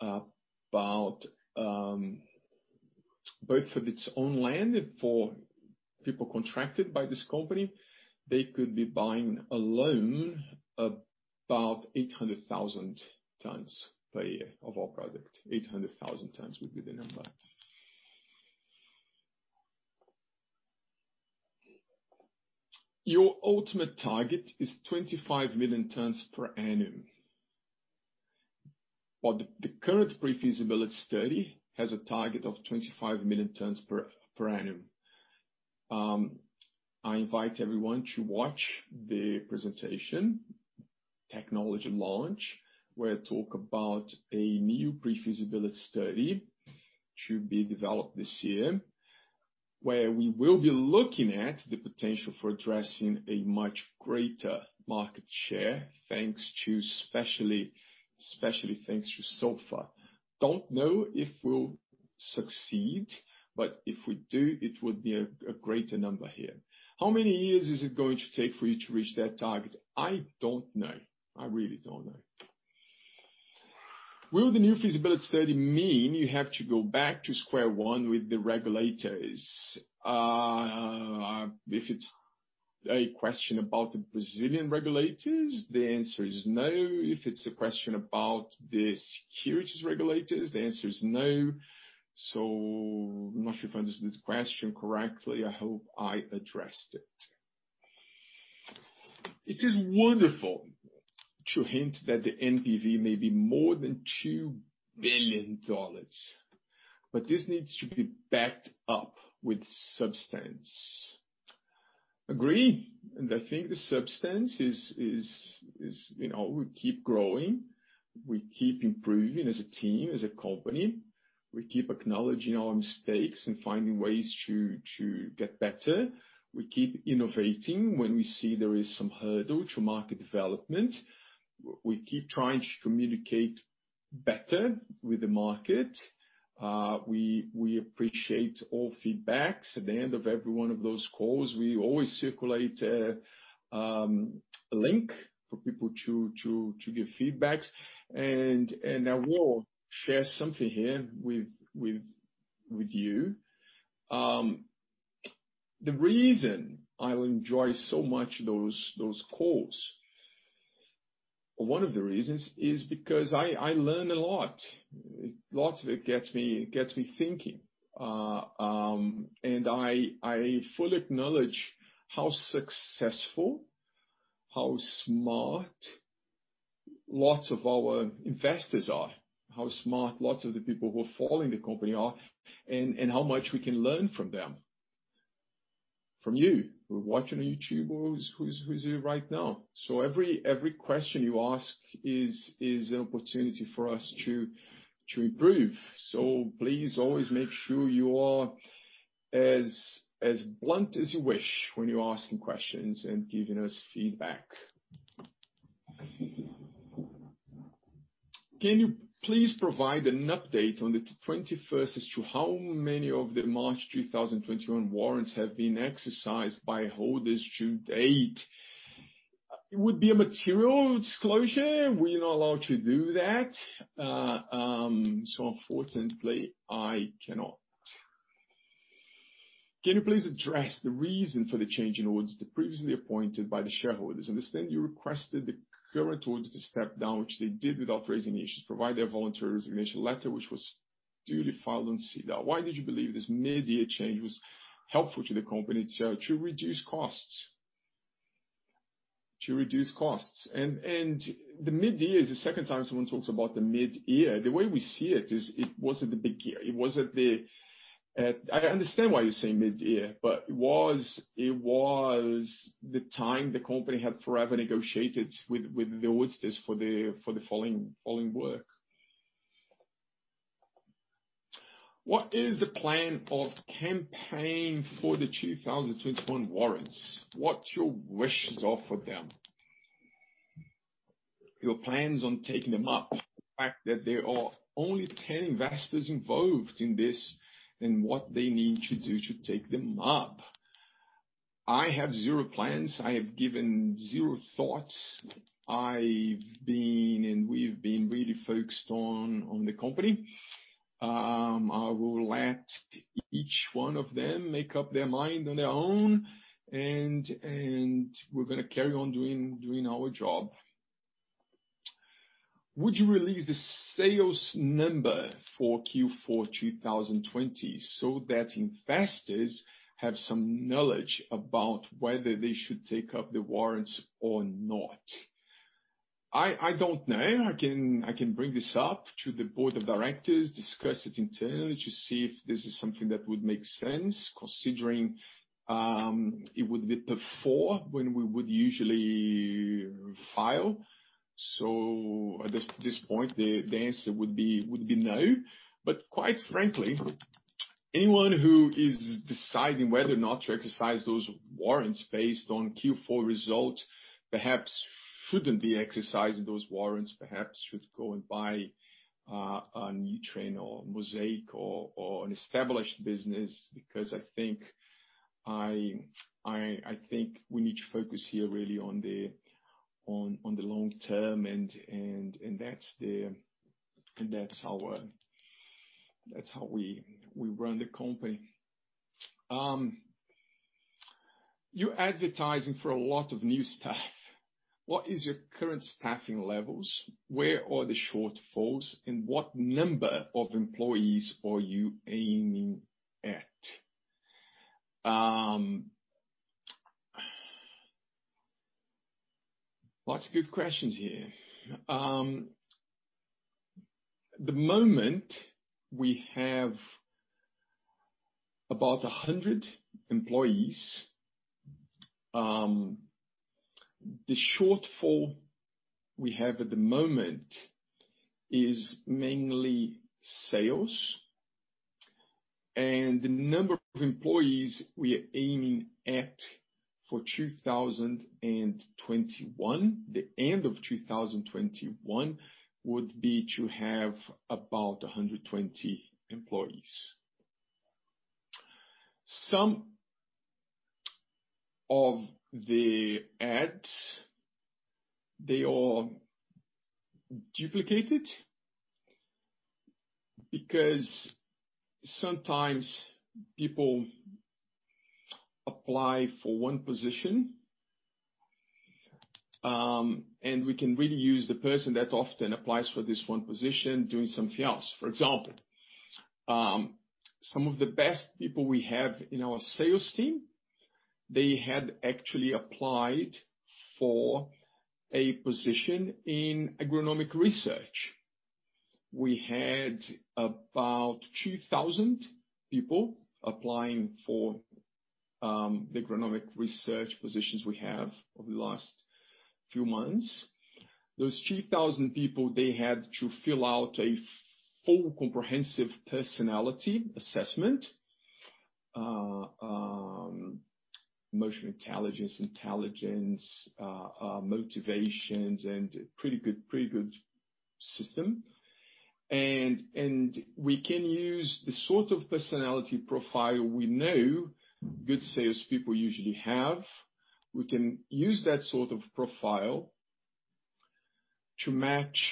about, both of its own land and for people contracted by this company, they could be buying alone about 800,000 tons per year of our product. 800,000 tons would be the number. Your ultimate target is 25 million tons per annum. Well, the current pre-feasibility study has a target of 25 million tons per annum. I invite everyone to watch the presentation technology launch, where I talk about a new pre-feasibility study to be developed this year, where we will be looking at the potential for addressing a much greater market share especially thanks to sulfur. Don't know if we'll succeed, but if we do, it would be a greater number here. How many years is it going to take for you to reach that target? I don't know. I really don't know. Will the new feasibility study mean you have to go back to square one with the regulators? If it's a question about the Brazilian regulators, the answer is no. If it's a question about the securities regulators, the answer is no. I'm not sure if I understood this question correctly. I hope I addressed it. It is wonderful to hint that the NPV may be more than $2 billion, but this needs to be backed up with substance. Agree, and I think the substance is we keep growing, we keep improving as a team, as a company, we keep acknowledging our mistakes and finding ways to get better. We keep innovating when we see there is some hurdle to market development. We keep trying to communicate better with the market. We appreciate all feedbacks. At the end of every one of those calls, we always circulate a link for people to give feedbacks. I will share something here with you. The reason I enjoy so much those calls, one of the reasons is because I learn a lot. Lots of it gets me thinking. I fully acknowledge how successful, how smart lots of our investors are, how smart lots of the people who are following the company are, and how much we can learn from them. From you who are watching on YouTube, who's here right now. Every question you ask is an opportunity for us to improve. Please always make sure you are as blunt as you wish when you're asking questions and giving us feedback. Can you please provide an update on the 21st as to how many of the March 2021 warrants have been exercised by holders to date? It would be a material disclosure. We're not allowed to do that. Unfortunately, I cannot. Can you please address the reason for the change in auditors previously appointed by the shareholders? I understand you requested the current auditors to step down, which they did without raising issues, provided a voluntary resignation letter, which was duly filed on SEDAR. Why did you believe this mid-year change was helpful to the company? To reduce costs. The mid-year is the second time someone talks about the mid-year. The way we see it is it wasn't the big year. I understand why you say mid-year, but it was the time the company had forever negotiated with the auditors for the following work. What is the plan of campaign for the 2021 warrants? What your wishes are for them? Your plans on taking them up. The fact that there are only 10 investors involved in this, and what they need to do to take them up. I have zero plans. I have given zero thoughts. We've been really focused on the company. I will let each one of them make up their mind on their own, and we're going to carry on doing our job. Would you release the sales number for Q4 2020 so that investors have some knowledge about whether they should take up the warrants or not? I don't know. I can bring this up to the board of directors, discuss it internally to see if this is something that would make sense, considering it would be before when we would usually file. At this point, the answer would be no. Quite frankly, anyone who is deciding whether or not to exercise those warrants based on Q4 results perhaps shouldn't be exercising those warrants. Perhaps should go and buy a Nutrien or Mosaic or an established business, because I think we need to focus here really on the long term, and that's how we run the company. You're advertising for a lot of new staff. What is your current staffing levels? Where are the shortfalls, and what number of employees are you aiming at? Lots of good questions here. At the moment, we have about 100 employees. The shortfall we have at the moment is mainly sales, and the number of employees we are aiming at for 2021, the end of 2021, would be to have about 120 employees. Some of the ads, they all duplicated because sometimes people apply for one position, and we can really use the person that often applies for this one position doing something else. For example, some of the best people we have in our sales team, they had actually applied for a position in agronomic research. We had about 2,000 people applying for the agronomic research positions we have over the last few months. Those 2,000 people, they had to fill out a full comprehensive personality assessment, emotional intelligence, motivations, and pretty good system. We can use the sort of personality profile we know good salespeople usually have. We can use that sort of profile to match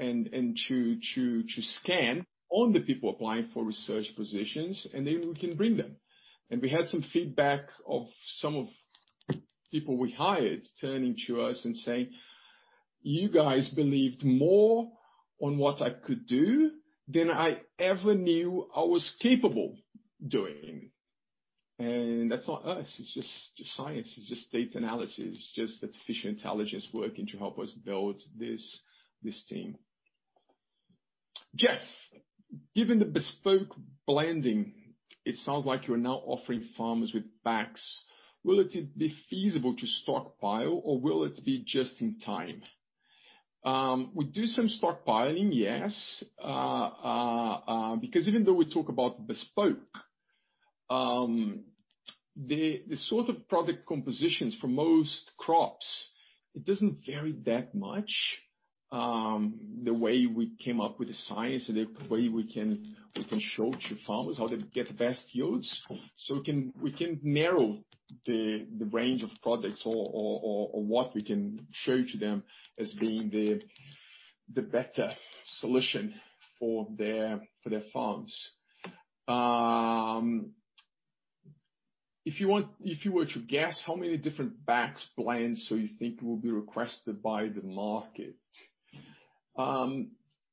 and to scan all the people applying for research positions, then we can bring them. We had some feedback of some of the people we hired turning to us and saying, "You guys believed more on what I could do than I ever knew I was capable doing." That's not us. It's just science. It's just data analysis, just artificial intelligence working to help us build this team. Jeff, given the bespoke blending, it sounds like you're now offering farmers with BAKS. Will it be feasible to stockpile, or will it be just in time? We do some stockpiling, yes, because even though we talk about bespoke, the sort of product compositions for most crops, it doesn't vary that much. The way we came up with the science, the way we can show to farmers how to get the best yields, so we can narrow the range of products or what we can show to them as being the better solution for their farms. If you were to guess how many different BAKS blends you think will be requested by the market?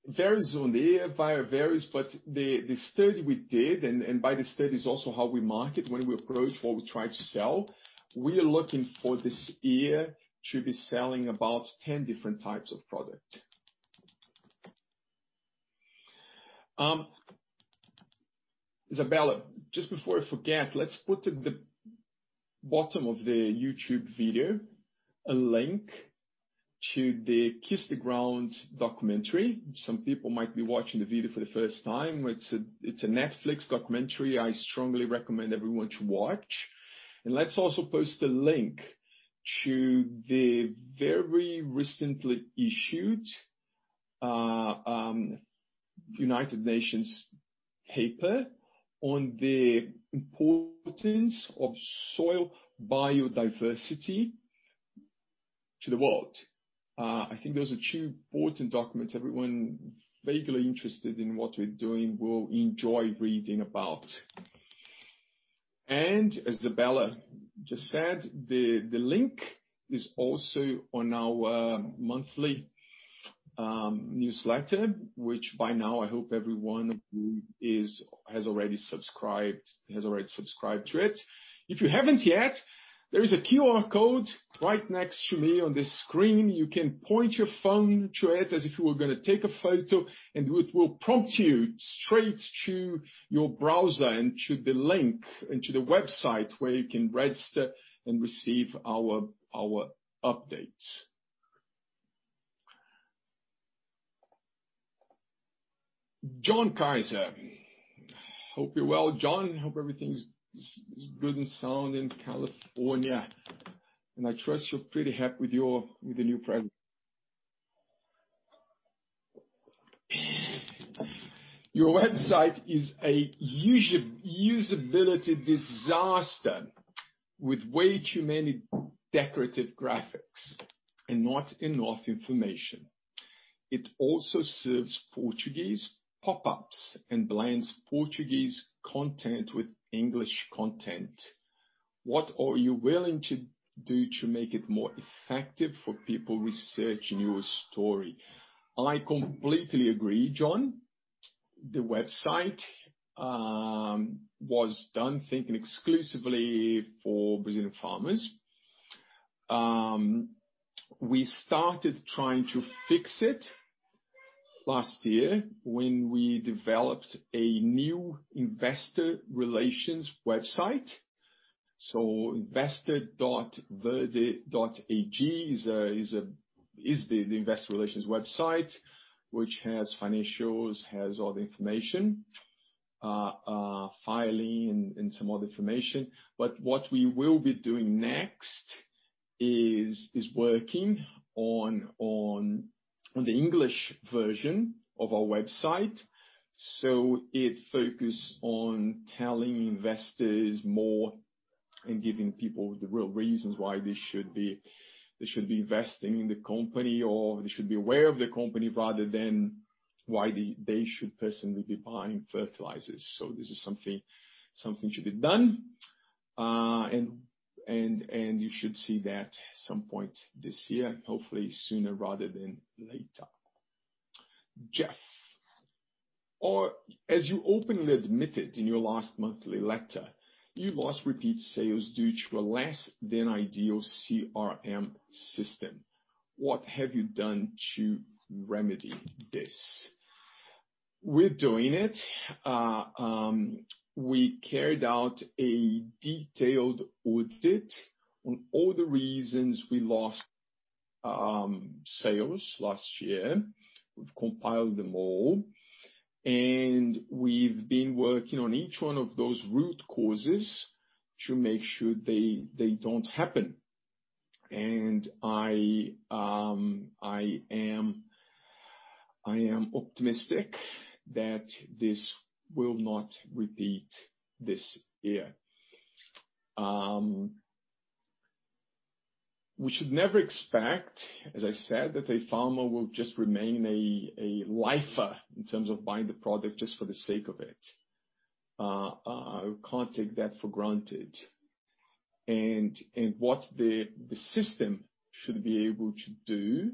Varies on the year, but the study we did, and by the study is also how we market when we approach what we try to sell. We are looking for this year to be selling about 10 different types of product. Isabella, just before I forget, let's put at the bottom of the YouTube video a link to the "Kiss the Ground" documentary. Some people might be watching the video for the first time. It's a Netflix documentary I strongly recommend everyone to watch. Let's also post a link to the very recently issued United Nations paper on the importance of soil biodiversity to the world. I think those are two important documents everyone vaguely interested in what we're doing will enjoy reading about. As Isabella just said, the link is also on our monthly newsletter, which by now I hope every one of you has already subscribed to it. If you haven't yet, there is a QR code right next to me on this screen. You can point your phone to it as if you were going to take a photo, and it will prompt you straight to your browser and to the link, and to the website where you can register and receive our updates. John Kaiser. Hope you're well, John. Hope everything's good and sound in California, and I trust you're pretty happy with the new progress. Your website is a usability disaster with way too many decorative graphics and not enough information. It also serves Portuguese pop-ups and blends Portuguese content with English content. What are you willing to do to make it more effective for people researching your story? I completely agree, John. The website was done thinking exclusively for Brazilian farmers. We started trying to fix it last year when we developed a new investor relations website. investor.verde.ag is the investor relations website, which has financials, has all the information, filing and some other information. What we will be doing next is working on the English version of our website. It focus on telling investors more and giving people the real reasons why they should be investing in the company, or they should be aware of the company rather than why they should personally be buying fertilizers. This is something that should be done. You should see that at some point this year, hopefully sooner rather than later. Jeff. As you openly admitted in your last monthly letter, you lost repeat sales due to a less than ideal CRM system. What have you done to remedy this? We're doing it. We carried out a detailed audit on all the reasons we lost sales last year. We've compiled them all. We've been working on each one of those root causes to make sure they don't happen. I am optimistic that this will not repeat this year. We should never expect, as I said, that a farmer will just remain a lifer in terms of buying the product just for the sake of it. We can't take that for granted. What the system should be able to do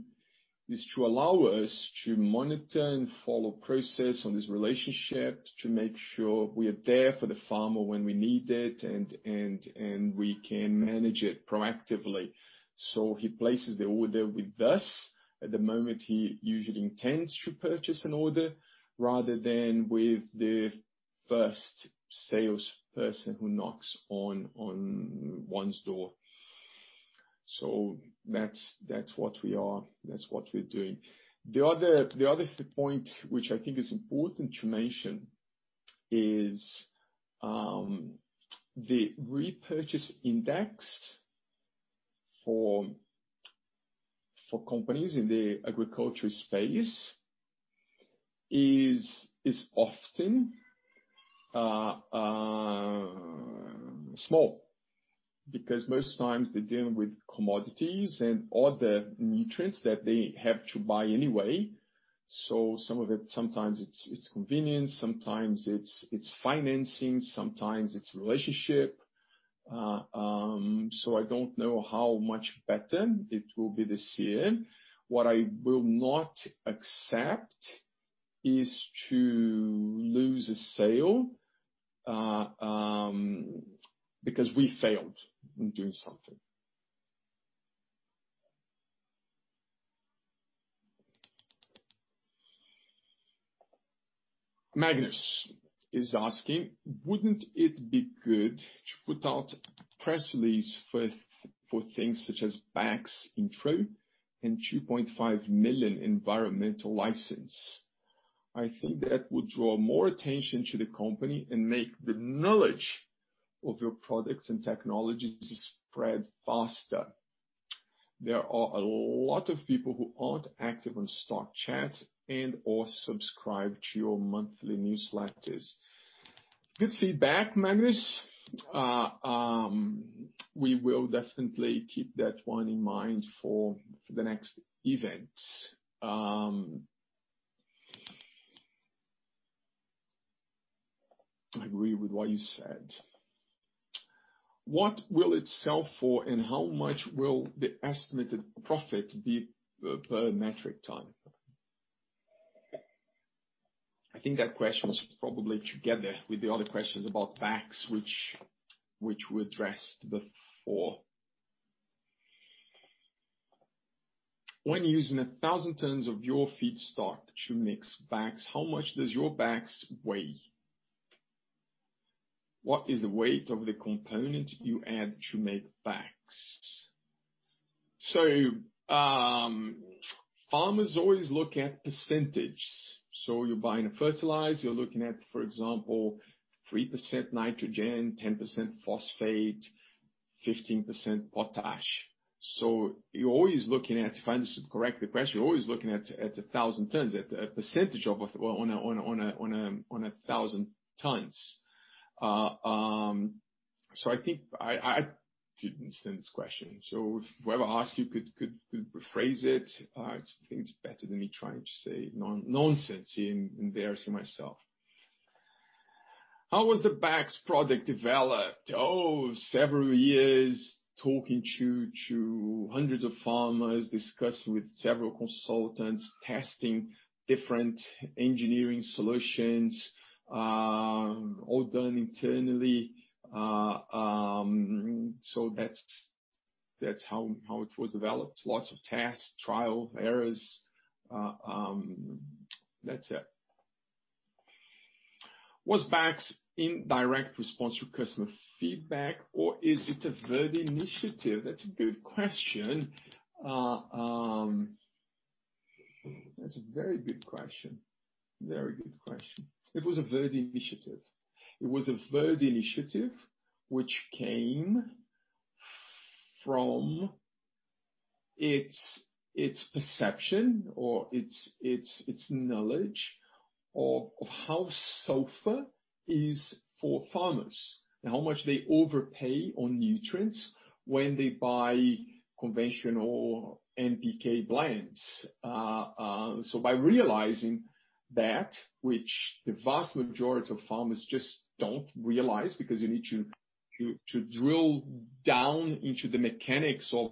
is to allow us to monitor and follow process on this relationship to make sure we are there for the farmer when we need it, and we can manage it proactively. He places the order with us at the moment he usually intends to purchase an order rather than with the first salesperson who knocks on one's door. That's what we are, that's what we're doing. The other point which I think is important to mention is the repurchase index for companies in the agriculture space is often small because most times they're dealing with commodities and other nutrients that they have to buy anyway. Some of it, sometimes it's convenience, sometimes it's financing, sometimes it's relationship. I don't know how much better it will be this year. What I will not accept is to lose a sale because we failed in doing something. Magnus is asking, wouldn't it be good to put out press release for things such as BAKS approval and 2.5 million environmental license? I think that would draw more attention to the company and make the knowledge of your products and technologies spread faster. There are a lot of people who aren't active on Stockhouse and/or subscribed to your monthly newsletters. Good feedback, Magnus. We will definitely keep that one in mind for the next event. I agree with what you said. What will it sell for and how much will the estimated profit be per metric ton? I think that question is probably together with the other questions about BAKS, which we addressed before. When using 1,000 tons of your feedstock to mix BAKS, how much does your BAKS weigh? What is the weight of the component you add to make BAKS? Farmers always look at percentage. You're buying a fertilizer, you're looking at, for example, 3% nitrogen, 10% phosphate, 15% potash. If I understand correctly the question, you're always looking at 1,000 tons, at a percentage on 1,000 tons. I think I didn't understand this question. If whoever asked could rephrase it, I think it's better than me trying to say nonsense and embarrassing myself. How was the BAKS product developed? Several years talking to hundreds of farmers, discussing with several consultants, testing different engineering solutions, all done internally. That's how it was developed. Lots of tests, trial, errors, that's it. Was BAKS in direct response to customer feedback or is it a Verde initiative? That's a good question. That's a very good question. It was a Verde initiative. It was a Verde initiative which came from its perception or its knowledge of how sulfur is for farmers, and how much they overpay on nutrients when they buy conventional NPK blends. By realizing that, which the vast majority of farmers just don't realize, because you need to drill down into the mechanics of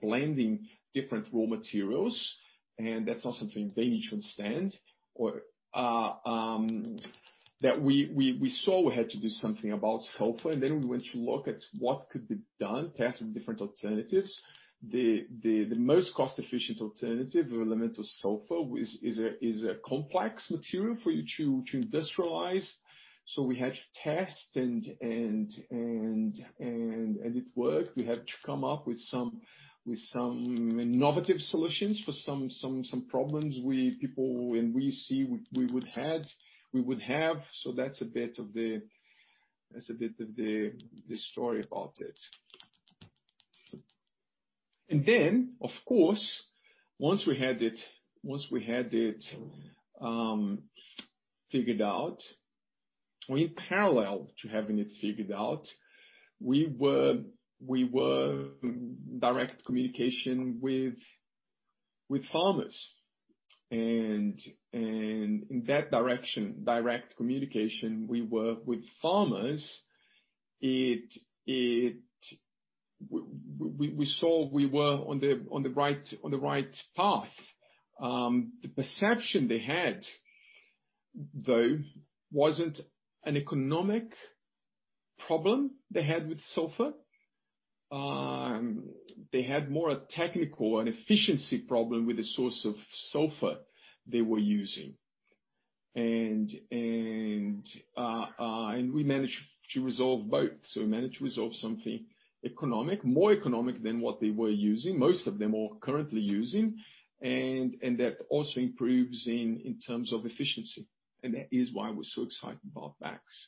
blending different raw materials, and that's not something they need to understand. We saw we had to do something about sulfur, and then we went to look at what could be done, tested different alternatives. The most cost-efficient alternative of elemental sulfur is a complex material for you to industrialize. We had to test and it worked. We had to come up with some innovative solutions for some problems people and we see we would have. That's a bit of the story about it. Of course, once we had it figured out, in parallel to having it figured out, we were in direct communication with farmers. In that direction, direct communication, we were with farmers. We saw we were on the right path. The perception they had, though, wasn't an economic problem they had with sulfur. They had more a technical and efficiency problem with the source of sulfur they were using. We managed to resolve both. We managed to resolve something economic, more economic than what they were using, most of them are currently using. That also improves in terms of efficiency. That is why we're so excited about BAKS.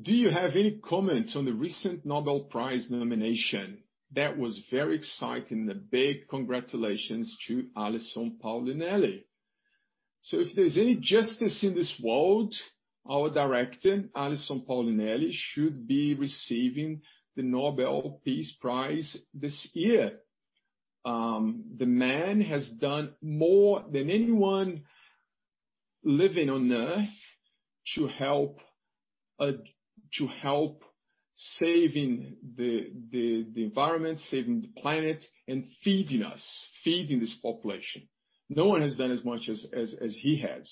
Do you have any comments on the recent Nobel Prize nomination? That was very exciting. A big congratulations to Alysson Paolinelli. If there's any justice in this world, our director, Alysson Paolinelli, should be receiving the Nobel Peace Prize this year. The man has done more than anyone living on Earth to help saving the environment, saving the planet, and feeding us, feeding this population. No one has done as much as he has.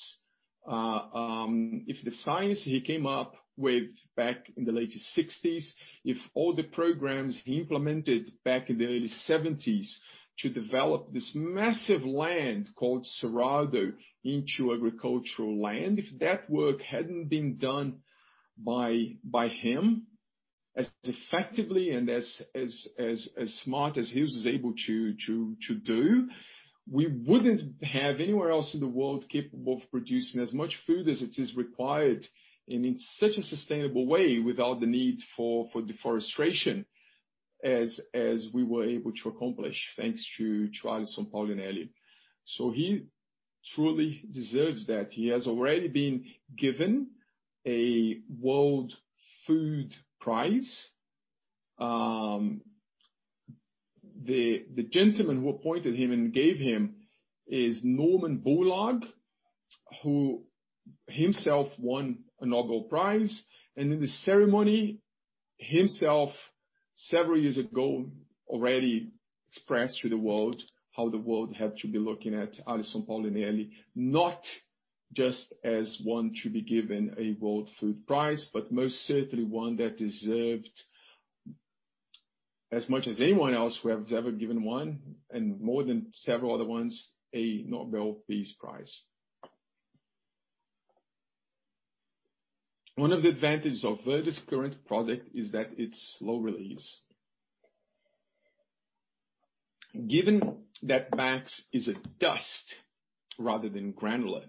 If the science he came up with back in the later 1960s, if all the programs he implemented back in the early 1970s to develop this massive land called Cerrado into agricultural land, if that work hadn't been done by him as effectively and as smart as he was able to do, we wouldn't have anywhere else in the world capable of producing as much food as it is required and in such a sustainable way without the need for deforestation as we were able to accomplish thanks to Alysson Paolinelli. He truly deserves that. He has already been given a World Food Prize. The gentleman who appointed him and gave him is Norman Borlaug, who himself won a Nobel Prize. In the ceremony, himself, several years ago, already expressed to the world how the world had to be looking at Agronomist Alysson Paolinelli, not just as one to be given a World Food Prize, but most certainly one that deserved as much as anyone else who have ever given one, and more than several other ones, a Nobel Peace Prize. One of the advantages of Verde's current product is that it's slow release. Given that BAKS is a dust rather than granular,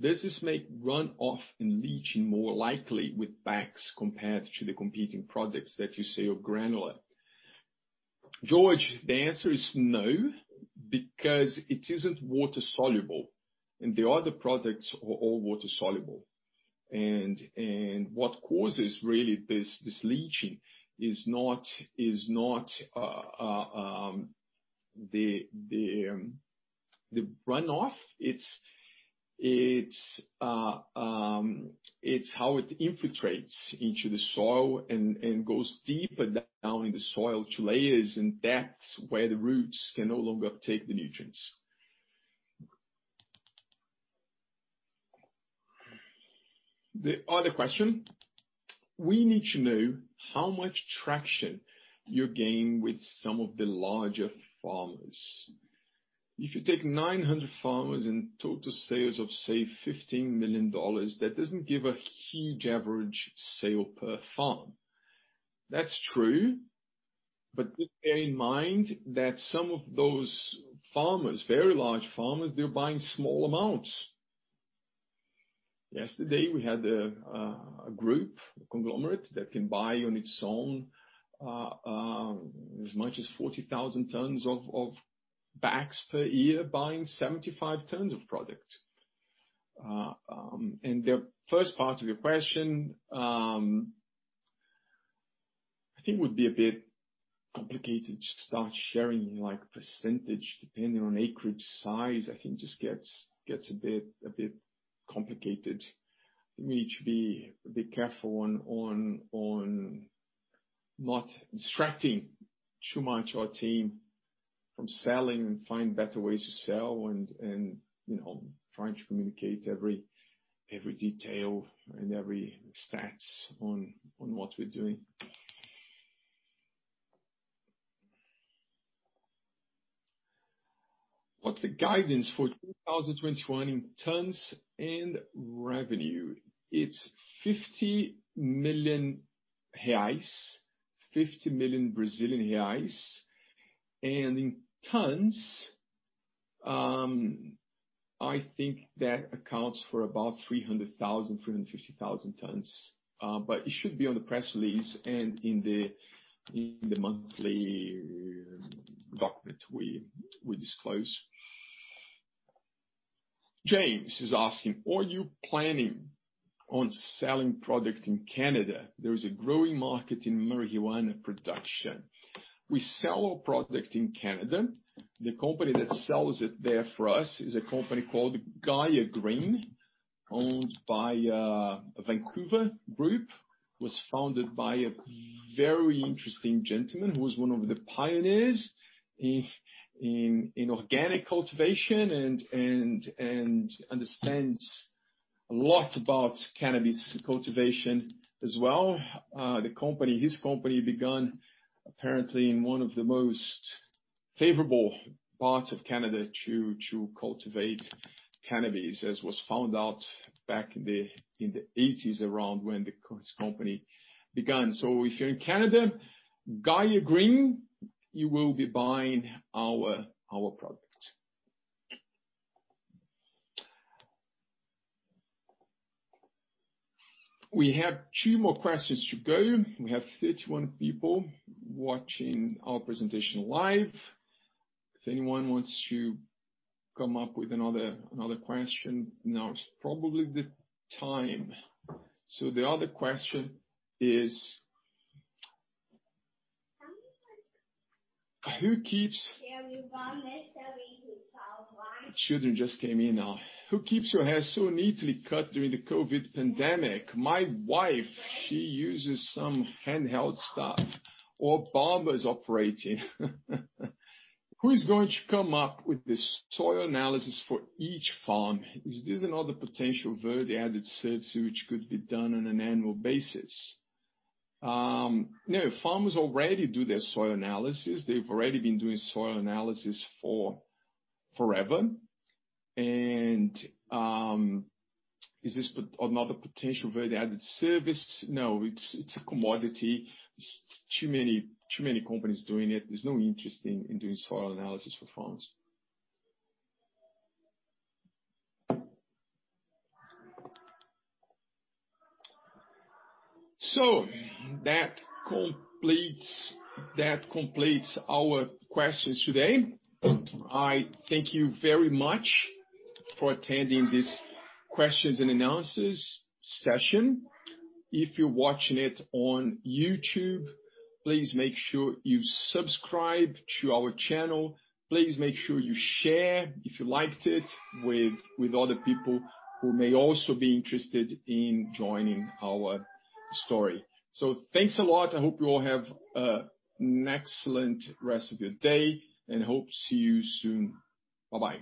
does this make runoff and leaching more likely with BAKS compared to the competing products that you see of granular? George, the answer is no, because it isn't water-soluble, and the other products are all water-soluble. What causes really this leaching is not the runoff, it's how it infiltrates into the soil and goes deeper down in the soil to layers and depths where the roots can no longer uptake the nutrients. The other question. We need to know how much traction you gain with some of the larger farmers? If you take 900 farmers in total sales of, say, BRL 15 million, that doesn't give a huge average sale per farm. That's true, do bear in mind that some of those farmers, very large farmers, they're buying small amounts. Yesterday, we had a group, a conglomerate that can buy on its own as much as 40,000 tons of BAKS per year, buying 75 tons of product. The first part of your question, I think it would be a bit complicated to start sharing percentage depending on acreage size. I think it just gets a bit complicated. We need to be a bit careful on not distracting too much our team from selling and find better ways to sell and trying to communicate every detail and every stats on what we're doing. What's the guidance for 2021 in tons and revenue? It's 50 million reais, 50 million Brazilian reais. In tons, I think that accounts for about 300,000, 350,000 tons. It should be on the press release and in the monthly document we disclose. James is asking, are you planning on selling product in Canada? There is a growing market in marijuana production. We sell our product in Canada. The company that sells it there for us is a company called Gaia Green, owned by a Vancouver group. Was founded by a very interesting gentleman who was one of the pioneers in organic cultivation and understands a lot about cannabis cultivation as well. His company begun apparently in one of the most favorable parts of Canada to cultivate cannabis, as was found out back in the 1980s, around when his company began. If you're in Canada, Gaia Green, you will be buying our product. We have two more questions to go. We have 31 people watching our presentation live. If anyone wants to come up with another question, now is probably the time. The other question is, The children just came in now. Who keeps your hair so neatly cut during the COVID pandemic? My wife, she uses some handheld stuff or barbers operating. Who is going to come up with the soil analysis for each farm? Is this another potential Verde added service which could be done on an annual basis? No, farmers already do their soil analysis. They've already been doing soil analysis for forever. Is this another potential Verde added service? No, it's a commodity. There's too many companies doing it. There's no interest in doing soil analysis for farmers. That completes our questions today. I thank you very much for attending this questions and analysis session. If you're watching it on YouTube, please make sure you subscribe to our channel. Please make sure you share if you liked it with other people who may also be interested in joining our story. Thanks a lot. I hope you all have an excellent rest of your day, and hope to see you soon. Bye-bye.